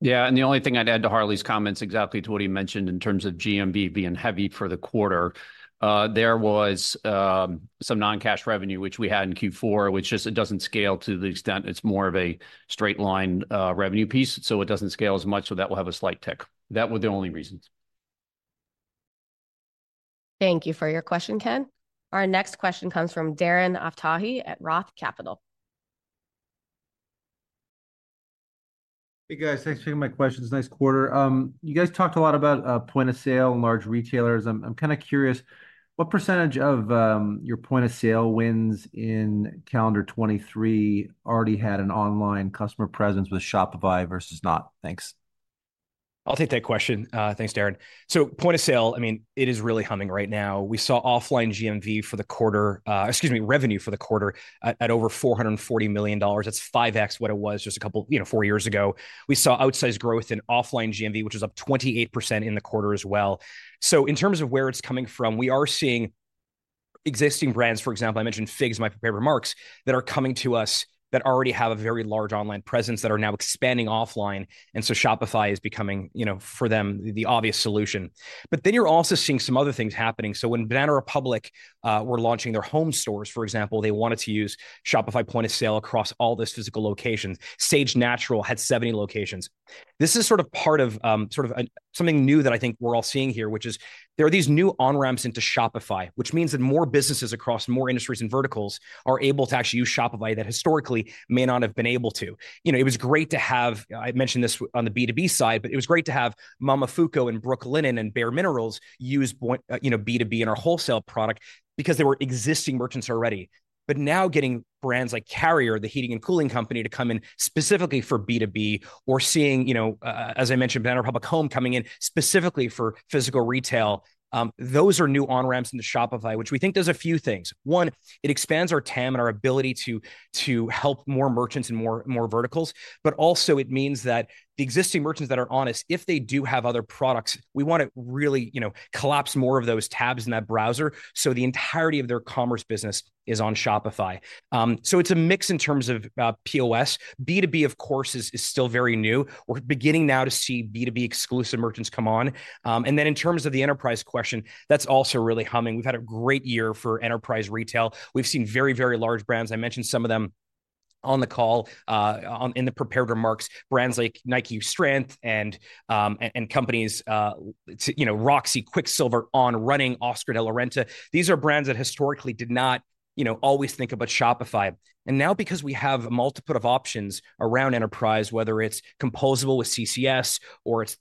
Yeah, and the only thing I'd add to Harley's comments exactly to what he mentioned in terms of GMV being heavy for the quarter, there was some non-cash revenue, which we had in Q4, which just it doesn't scale to the extent it's more of a straight-line revenue piece, so it doesn't scale as much, so that will have a slight tick. That were the only reasons.
Thank you for your question, Ken. Our next question comes from Darren Aftahi at Roth Capital.
Hey, guys. Thanks for taking my questions. Nice quarter. You guys talked a lot about point-of-sale and large retailers. I'm kind of curious, what percentage of your point-of-sale wins in calendar 2023 already had an online customer presence with Shopify versus not?
Thanks. I'll take that question. Thanks, Darren. So, point-of-sale, I mean, it is really humming right now. We saw offline GMV for the quarter, excuse me, revenue for the quarter at over $440 million. That's 5X what it was just a couple four years ago. We saw outsized growth in offline GMV, which was up 28% in the quarter as well. So, in terms of where it's coming from, we are seeing existing brands, for example, I mentioned FIGS in my prepared remarks, that are coming to us that already have a very large online presence that are now expanding offline. And so, Shopify is becoming, for them, the obvious solution. But then you're also seeing some other things happening. So, when Banana Republic were launching their home stores, for example, they wanted to use Shopify Point-of-Sale across all these physical locations. Saje Natural had 70 locations. This is sort of part of sort of something new that I think we're all seeing here, which is there are these new on-ramps into Shopify, which means that more businesses across more industries and verticals are able to actually use Shopify that historically may not have been able to. I mentioned this on the B2B side, but it was great to have Momofuku and Brooklinen and bareMinerals use B2B in our wholesale product because there were existing merchants already. But now getting brands like Carrier, the heating and cooling company, to come in specifically for B2B or seeing, as I mentioned, Banana Republic Home coming in specifically for physical retail, those are new on-ramps into Shopify, which we think does a few things. One, it expands our TAM and our ability to help more merchants and more verticals. But also, it means that the existing merchants that are honest, if they do have other products, we want to really collapse more of those tabs in that browser so the entirety of their commerce business is on Shopify. So, it's a mix in terms of POS. B2B, of course, is still very new. We're beginning now to see B2B exclusive merchants come on. And then, in terms of the enterprise question, that's also really humming. We've had a great year for enterprise retail. We've seen very, very large brands. I mentioned some of them on the call in the prepared remarks. Brands like Nike Strength and companies Roxy Quiksilver, On Running, Oscar de la Renta. These are brands that historically did not always think about Shopify. And now, because we have a multiple of options around enterprise, whether it's composable with CCS or it's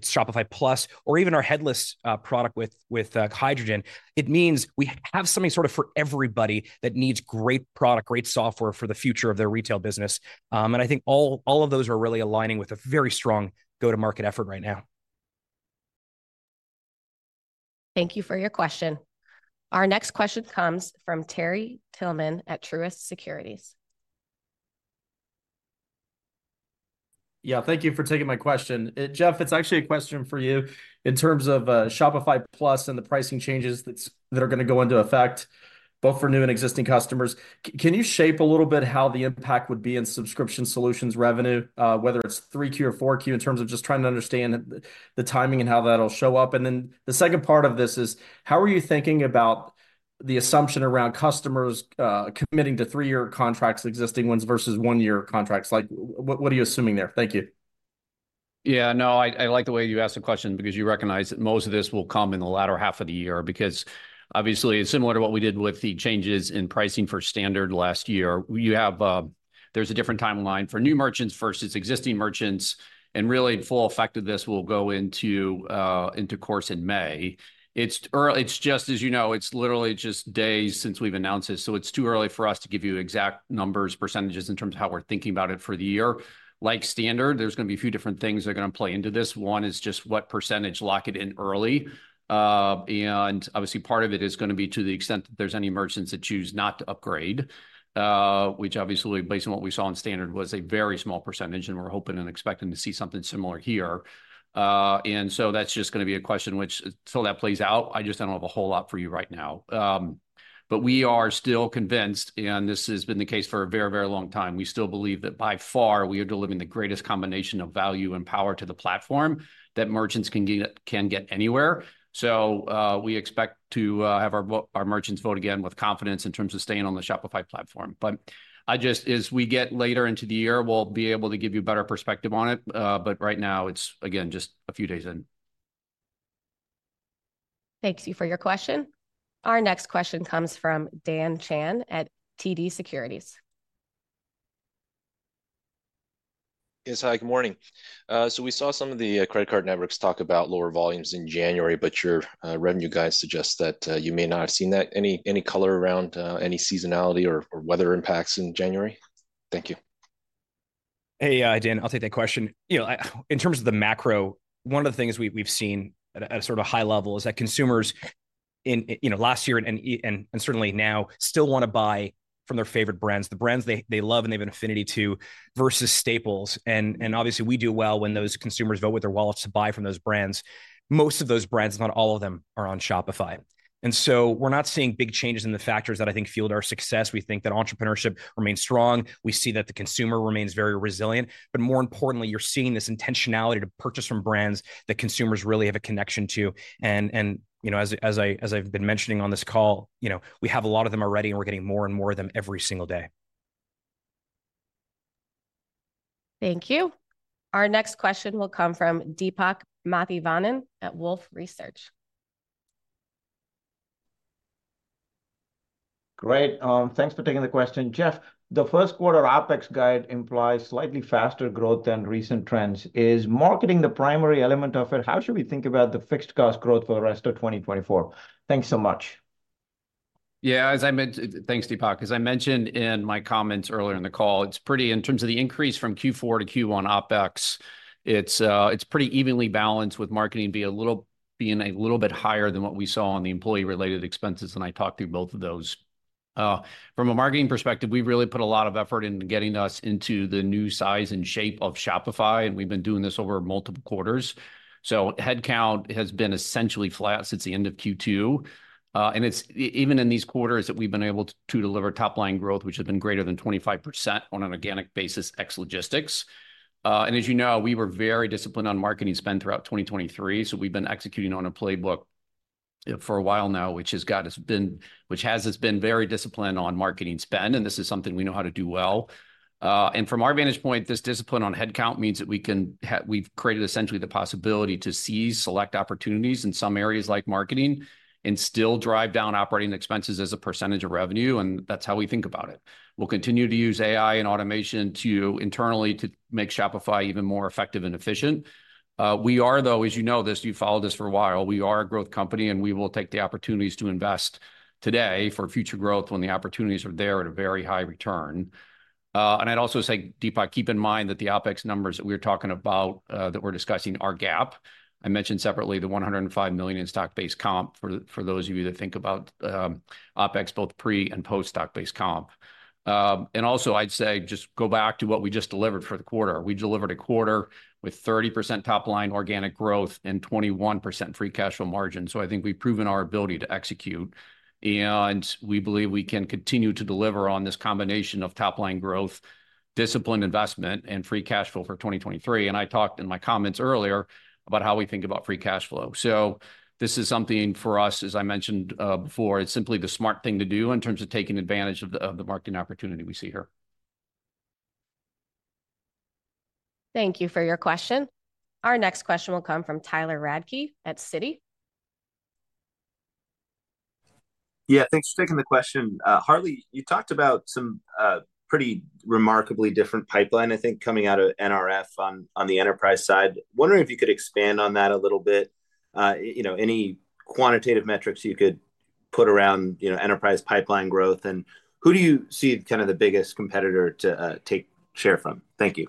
Shopify Plus or even our headless product with Hydrogen, it means we have something sort of for everybody that needs great product, great software for the future of their retail business. And I think all of those are really aligning with a very strong go-to-market effort right now.
Thank you for your question. Our next question comes from Terry Tillman at Truist Securities.
Yeah, thank you for taking my question. Jeff, it's actually a question for you. In terms of Shopify Plus and the pricing changes that are going to go into effect, both for new and existing customers, can you shed a little bit how the impact would be in subscription solutions revenue, whether it's Q3 or Q4, in terms of just trying to understand the timing and how that'll show up? And then, the second part of this is, how are you thinking about the assumption around customers committing to three-year contracts, existing ones, versus one-year contracts? What are you assuming there? Thank you.
Yeah, no, I like the way you asked the question because you recognize that most of this will come in the latter half of the year because, obviously, similar to what we did with the changes in pricing for Standard last year, there's a different timeline for new merchants versus existing merchants. And really, full effect of this will go into force in May. It's just, as you know, it's literally just days since we've announced this, so it's too early for us to give you exact numbers, percentages in terms of how we're thinking about it for the year. Like Standard, there's going to be a few different things that are going to play into this. One is just what percentage lock it in early. And, obviously, part of it is going to be to the extent that there's any merchants that choose not to upgrade, which, obviously, based on what we saw in Standard, was a very small percentage, and we're hoping and expecting to see something similar here. And so, that's just going to be a question which, till that plays out, I just don't have a whole lot for you right now. But we are still convinced, and this has been the case for a very, very long time, we still believe that, by far, we are delivering the greatest combination of value and power to the platform that merchants can get anywhere. So, we expect to have our merchants vote again with confidence in terms of staying on the Shopify platform. But as we get later into the year, we'll be able to give you better perspective on it. But right now, it's, again, just a few days in.
Thank you for your question. Our next question comes from Dan Chan at TD Securities.
Yes, hi. Good morning. So, we saw some of the credit card networks talk about lower volumes in January, but your revenue guys suggest that you may not have seen that. Any color around any seasonality or weather impacts in January? Thank you.
Hey, Dan, I'll take that question. In terms of the macro, one of the things we've seen at a sort of high level is that consumers, last year and certainly now, still want to buy from their favorite brands, the brands they love and they have an affinity to, versus staples. And, obviously, we do well when those consumers vote with their wallets to buy from those brands. Most of those brands, if not all of them, are on Shopify. And so, we're not seeing big changes in the factors that I think fueled our success. We think that entrepreneurship remains strong. We see that the consumer remains very resilient. But more importantly, you're seeing this intentionality to purchase from brands that consumers really have a connection to. As I've been mentioning on this call, we have a lot of them already, and we're getting more and more of them every single day.
Thank you. Our next question will come from Deepak Mathivanan at Wolfe Research.
Great. Thanks for taking the question. Jeff, the first quarter OpEx guide implies slightly faster growth than recent trends. Is marketing the primary element of it? How should we think about the fixed cost growth for the rest of 2024? Thanks so much.
Yeah, as I mentioned, thanks, Deepak. As I mentioned in my comments earlier in the call, it's pretty in terms of the increase from Q4 to Q1 OpEx; it's pretty evenly balanced with marketing being a little bit higher than what we saw on the employee-related expenses when I talked through both of those. From a marketing perspective, we've really put a lot of effort into getting us into the new size and shape of Shopify, and we've been doing this over multiple quarters. So, headcount has been essentially flat since the end of Q2. And it's even in these quarters that we've been able to deliver top-line growth, which has been greater than 25% on an organic basis ex-logistics. And as you know, we were very disciplined on marketing spend throughout 2023, so we've been executing on a playbook for a while now, which has been very disciplined on marketing spend, and this is something we know how to do well. And from our vantage point, this discipline on headcount means that we've created essentially the possibility to seize, select opportunities in some areas like marketing and still drive down operating expenses as a percentage of revenue, and that's how we think about it. We'll continue to use AI and automation internally to make Shopify even more effective and efficient. We are, though, as you know this, you've followed us for a while, we are a growth company, and we will take the opportunities to invest today for future growth when the opportunities are there at a very high return. And I'd also say, Deepak, keep in mind that the OpEx numbers that we were talking about, that we're discussing, are GAAP. I mentioned separately the $105 million in stock-based comp for those of you that think about OpEx, both pre and post-stock-based comp. And also, I'd say just go back to what we just delivered for the quarter. We delivered a quarter with 30% top-line organic growth and 21% free cash flow margin. So, I think we've proven our ability to execute, and we believe we can continue to deliver on this combination of top-line growth, disciplined investment, and free cash flow for 2023. And I talked in my comments earlier about how we think about free cash flow. So, this is something for us, as I mentioned before, it's simply the smart thing to do in terms of taking advantage of the marketing opportunity we see here.
Thank you for your question. Our next question will come from Tyler Radke at Citi.
Yeah, thanks for taking the question. Harley, you talked about some pretty remarkably different pipeline, I think, coming out of NRF on the enterprise side. Wondering if you could expand on that a little bit. Any quantitative metrics you could put around enterprise pipeline growth, and who do you see kind of the biggest competitor to take share from? Thank you.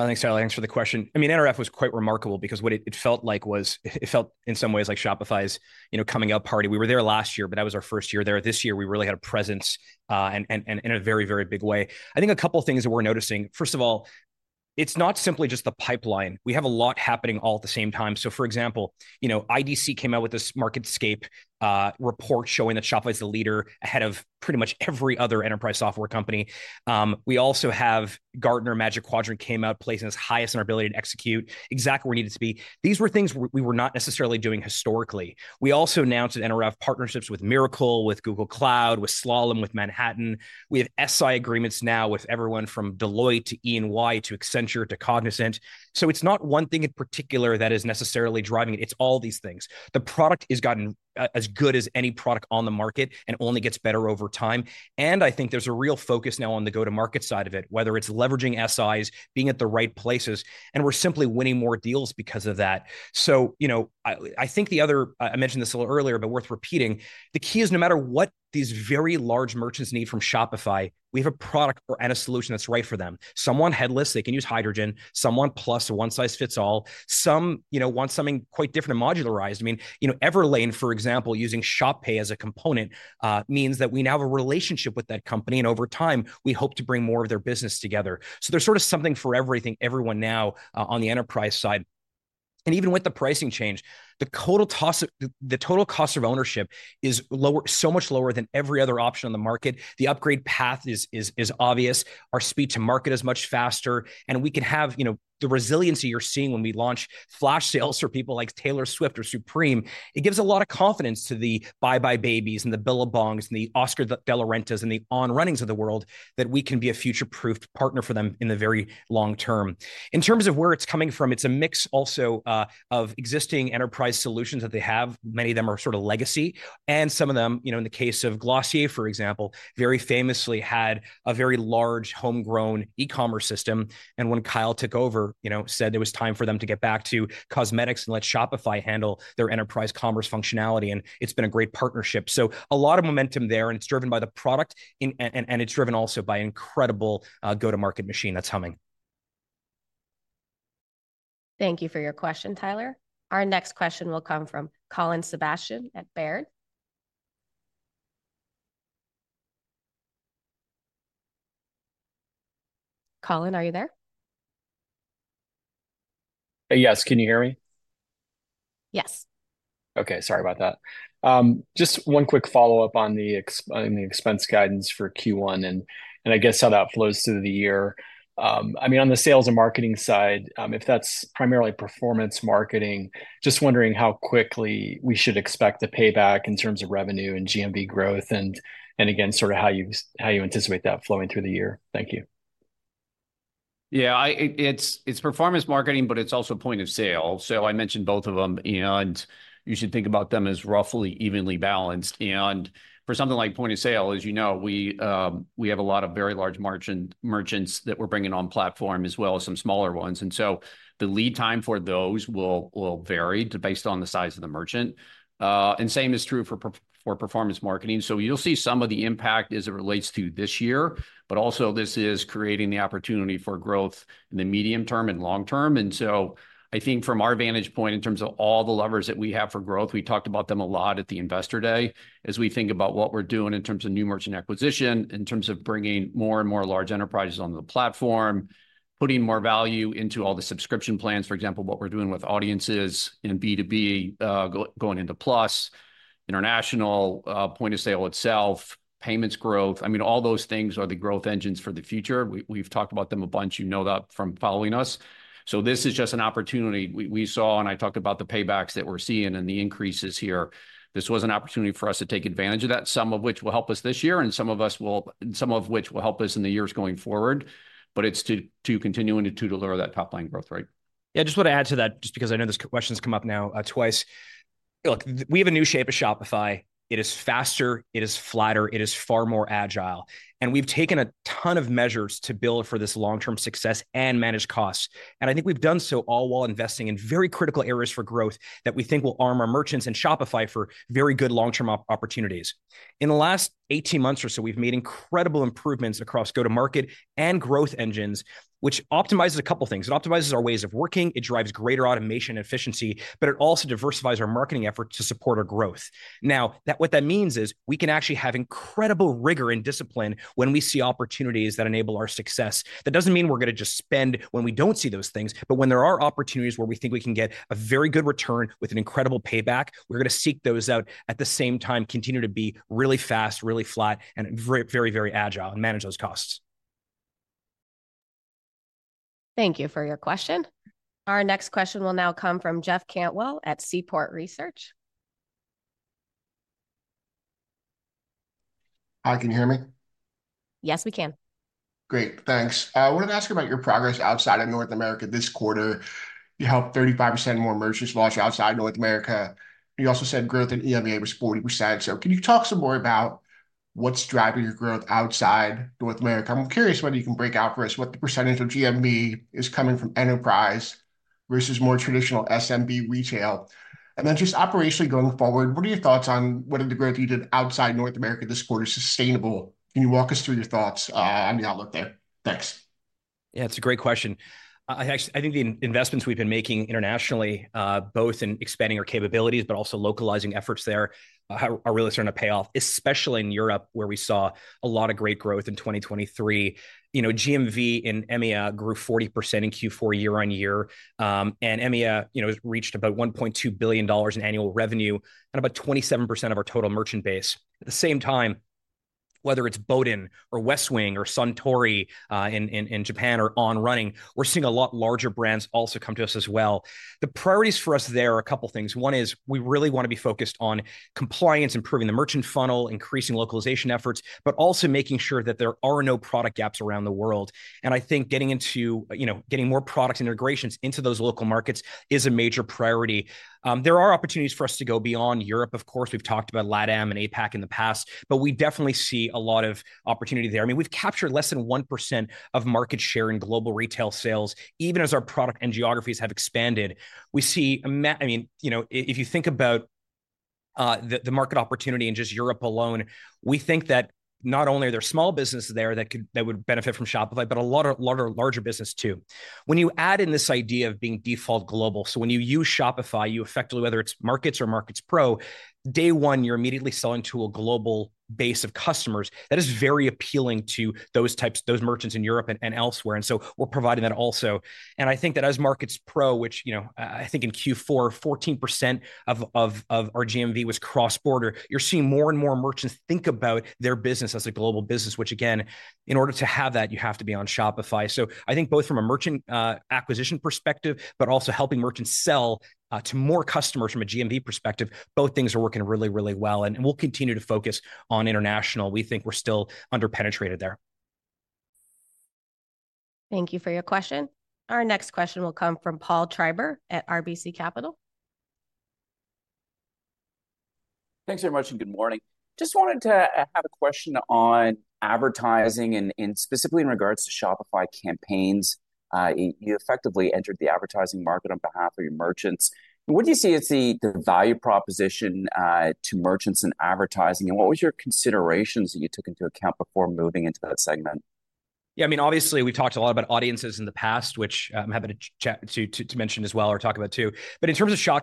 Thanks, Tyler. Thanks for the question. I mean, NRF was quite remarkable because what it felt like was it felt, in some ways, like Shopify's coming-up party. We were there last year, but that was our first year there. This year, we really had a presence in a very, very big way. I think a couple of things that we're noticing. First of all, it's not simply just the pipeline. We have a lot happening all at the same time. So, for example, IDC came out with this MarketScape report showing that Shopify is the leader ahead of pretty much every other enterprise software company. We also have Gartner Magic Quadrant came out, placing us highest in our ability to execute exactly where we needed to be. These were things we were not necessarily doing historically. We also announced at NRF partnerships with Mirakl, with Google Cloud, with Slalom, with Manhattan. We have SI agreements now with everyone from Deloitte to EY to Accenture to Cognizant. So, it's not one thing in particular that is necessarily driving it. It's all these things. The product has gotten as good as any product on the market and only gets better over time. And I think there's a real focus now on the go-to-market side of it, whether it's leveraging SIs, being at the right places, and we're simply winning more deals because of that. So, I think the other I mentioned this a little earlier, but worth repeating. The key is, no matter what these very large merchants need from Shopify, we have a product and a solution that's right for them. Someone headless, they can use Hydrogen. Someone Plus, a one-size-fits-all. Some want something quite different and modularized. I mean, Everlane, for example, using Shop Pay as a component means that we now have a relationship with that company, and over time, we hope to bring more of their business together. So, there's sort of something for everything, everyone now on the enterprise side. And even with the pricing change, the total cost of ownership is so much lower than every other option on the market. The upgrade path is obvious. Our speed to market is much faster, and we can have the resiliency you're seeing when we launch flash sales for people like Taylor Swift or Supreme. It gives a lot of confidence to the Buy Buy Baby and the Billabongs and the Oscar de la Renta and the On Runnings of the world that we can be a future-proofed partner for them in the very long term. In terms of where it's coming from, it's a mix also of existing enterprise solutions that they have. Many of them are sort of legacy. And some of them, in the case of Glossier, for example, very famously had a very large homegrown e-commerce system. And when Kyle took over, said it was time for them to get back to cosmetics and let Shopify handle their enterprise commerce functionality, and it's been a great partnership. So, a lot of momentum there, and it's driven by the product, and it's driven also by an incredible go-to-market machine that's humming.
Thank you for your question, Tyler. Our next question will come from Colin Sebastian at Baird. Colin, are you there?
Yes. Can you hear me?
Yes.
Okay. Sorry about that. Just one quick follow-up on the expense guidance for Q1 and I guess how that flows through the year. I mean, on the sales and marketing side, if that's primarily performance marketing, just wondering how quickly we should expect the payback in terms of revenue and GMV growth and, again, sort of how you anticipate that flowing through the year. Thank you.
Yeah, it's performance marketing, but it's also point of sale. So, I mentioned both of them, and you should think about them as roughly evenly balanced. And for something like point of sale, as you know, we have a lot of very large merchants that we're bringing on platform as well as some smaller ones. And so, the lead time for those will vary based on the size of the merchant. And same is true for performance marketing. So, you'll see some of the impact as it relates to this year, but also, this is creating the opportunity for growth in the medium term and long term. And so, I think from our vantage point, in terms of all the levers that we have for growth, we talked about them a lot at the investor day as we think about what we're doing in terms of new merchant acquisition, in terms of bringing more and more large enterprises onto the platform, putting more value into all the subscription plans, for example, what we're doing with Audiences in B2B, going into Plus, international, point of sale itself, payments growth. I mean, all those things are the growth engines for the future. We've talked about them a bunch. You know that from following us. So, this is just an opportunity we saw, and I talked about the paybacks that we're seeing and the increases here. This was an opportunity for us to take advantage of that, some of which will help us this year, and some of which will help us in the years going forward. But it's to continue and to deliver that top-line growth rate.
Yeah, I just want to add to that, just because I know this question's come up now twice. Look, we have a new shape of Shopify. It is faster. It is flatter. It is far more agile. And we've taken a ton of measures to build for this long-term success and manage costs. I think we've done so all while investing in very critical areas for growth that we think will arm our merchants and Shopify for very good long-term opportunities. In the last 18 months or so, we've made incredible improvements across go-to-market and growth engines, which optimizes a couple of things. It optimizes our ways of working. It drives greater automation and efficiency, but it also diversifies our marketing efforts to support our growth. Now, what that means is we can actually have incredible rigor and discipline when we see opportunities that enable our success. That doesn't mean we're going to just spend when we don't see those things, but when there are opportunities where we think we can get a very good return with an incredible payback, we're going to seek those out at the same time, continue to be really fast, really flat, and very, very, very agile and manage those costs.
Thank you for your question. Our next question will now come from Jeff Cantwell at Seaport Research.
Hi, can you hear me?
Yes, we can.
Great. Thanks. I wanted to ask you about your progress outside of North America this quarter. You helped 35% more merchants launch outside North America. You also said growth in EMEA was 40%. So, can you talk some more about what's driving your growth outside North America? I'm curious whether you can break out for us what the percentage of GMV is coming from enterprise versus more traditional SMB retail. And then just operationally going forward, what are your thoughts on whether the growth you did outside North America this quarter is sustainable? Can you walk us through your thoughts on the outlook there? Thanks.
Yeah, it's a great question. I think the investments we've been making internationally, both in expanding our capabilities, but also localizing efforts there, are really starting to pay off, especially in Europe, where we saw a lot of great growth in 2023. GMV in EMEA grew 40% in Q4 year-over-year. And EMEA reached about $1.2 billion in annual revenue and about 27% of our total merchant base. At the same time, whether it's Boden or Westwing or Suntory in Japan or On Running, we're seeing a lot larger brands also come to us as well. The priorities for us there are a couple of things. One is we really want to be focused on compliance, improving the merchant funnel, increasing localization efforts, but also making sure that there are no product gaps around the world. And I think getting into getting more products and integrations into those local markets is a major priority. There are opportunities for us to go beyond Europe. Of course, we've talked about LATAM and APAC in the past, but we definitely see a lot of opportunity there. I mean, we've captured less than 1% of market share in global retail sales, even as our product and geographies have expanded. We see a... I mean, if you think about the market opportunity in just Europe alone, we think that not only are there small businesses there that would benefit from Shopify, but a lot of larger businesses too. When you add in this idea of being default global, so when you use Shopify, you effectively, whether it's Markets or Markets Pro, day one, you're immediately selling to a global base of customers. That is very appealing to those types, those merchants in Europe and elsewhere. And so, we're providing that also. And I think that as Markets Pro, which I think in Q4, 14% of our GMV was cross-border, you're seeing more and more merchants think about their business as a global business, which, again, in order to have that, you have to be on Shopify. So, I think both from a merchant acquisition perspective, but also helping merchants sell to more customers from a GMV perspective, both things are working really, really well. And we'll continue to focus on international. We think we're still underpenetrated there.
Thank you for your question. Our next question will come from Paul Treiber at RBC Capital.
Thanks very much and good morning. Just wanted to have a question on advertising and specifically in regards to Shopify Campaigns. You effectively entered the advertising market on behalf of your merchants. What do you see as the value proposition to merchants and advertising? And what was your considerations that you took into account before moving into that segment?
Yeah, I mean, obviously, we've talked a lot about Audiences in the past, which I'm happy to mention as well or talk about too. But in terms of Shop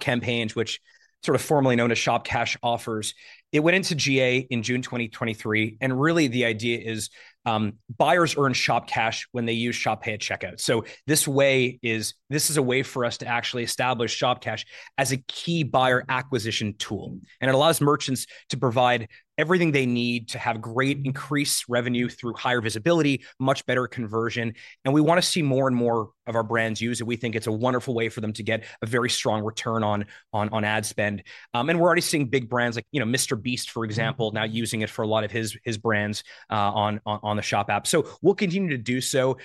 Campaigns, which are sort of formally known as Shop Cash offers, it went into GA in June 2023. And really, the idea is buyers earn Shop Cash when they use Shop Pay at checkout. So, this is a way for us to actually establish Shop Cash as a key buyer acquisition tool. And it allows merchants to provide everything they need to have great increased revenue through higher visibility, much better conversion. And we want to see more and more of our brands use it. We think it's a wonderful way for them to get a very strong return on ad spend. And we're already seeing big brands like MrBeast, for example, now using it for a lot of his brands on the Shop app. So, we'll continue to do so.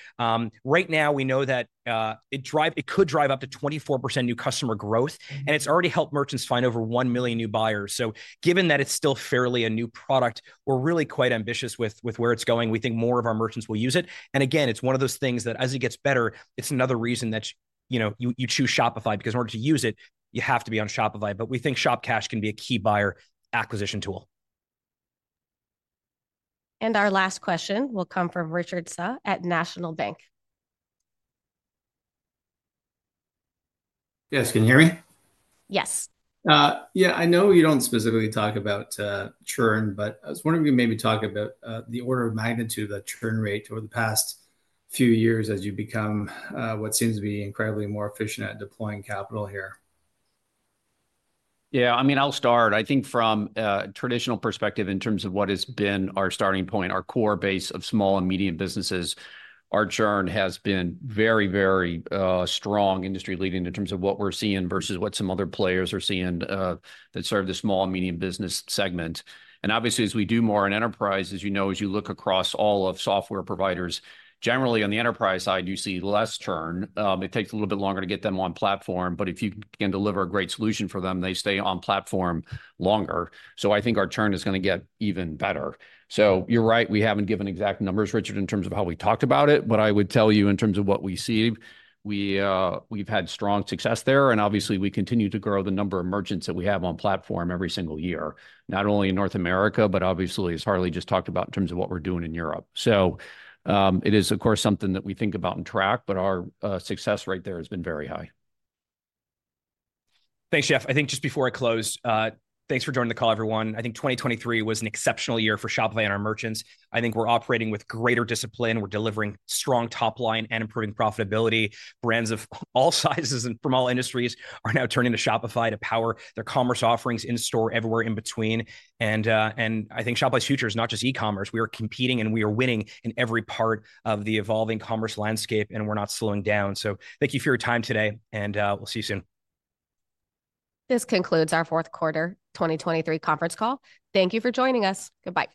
Right now, we know that it could drive up to 24% new customer growth, and it's already helped merchants find over 1 million new buyers. So, given that it's still fairly a new product, we're really quite ambitious with where it's going. We think more of our merchants will use it. And again, it's one of those things that as it gets better, it's another reason that you choose Shopify because in order to use it, you have to be on Shopify. But we think Shop Cash can be a key buyer acquisition tool.
And our last question will come from Richard Tse at National Bank.
Yes, can you hear me?
Yes.
Yeah, I know you don't specifically talk about churn, but I was wondering if you could maybe talk about the order of magnitude of the churn rate over the past few years as you've become what seems to be incredibly more efficient at deploying capital here.
Yeah, I mean, I'll start. I think from a traditional perspective in terms of what has been our starting point, our core base of small and medium businesses, our churn has been very, very strong, industry-leading in terms of what we're seeing versus what some other players are seeing that serve the small and medium business segment. And obviously, as we do more in enterprise, as you know, as you look across all of software providers, generally on the enterprise side, you see less churn. It takes a little bit longer to get them on platform, but if you can deliver a great solution for them, they stay on platform longer. So, I think our churn is going to get even better. You're right. We haven't given exact numbers, Richard, in terms of how we talked about it, but I would tell you in terms of what we see, we've had strong success there, and obviously, we continue to grow the number of merchants that we have on platform every single year, not only in North America, but obviously, as Harley just talked about in terms of what we're doing in Europe. It is, of course, something that we think about and track, but our success rate there has been very high.
Thanks, Jeff. I think just before I close, thanks for joining the call, everyone. I think 2023 was an exceptional year for Shopify and our merchants. I think we're operating with greater discipline. We're delivering strong top line and improving profitability. Brands of all sizes and from all industries are now turning to Shopify to power their commerce offerings in-store, everywhere in between. I think Shopify's future is not just e-commerce. We are competing, and we are winning in every part of the evolving commerce landscape, and we're not slowing down. Thank you for your time today, and we'll see you soon.
This concludes our Fourth Quarter 2023 Conference Call. Thank you for joining us. Goodbye.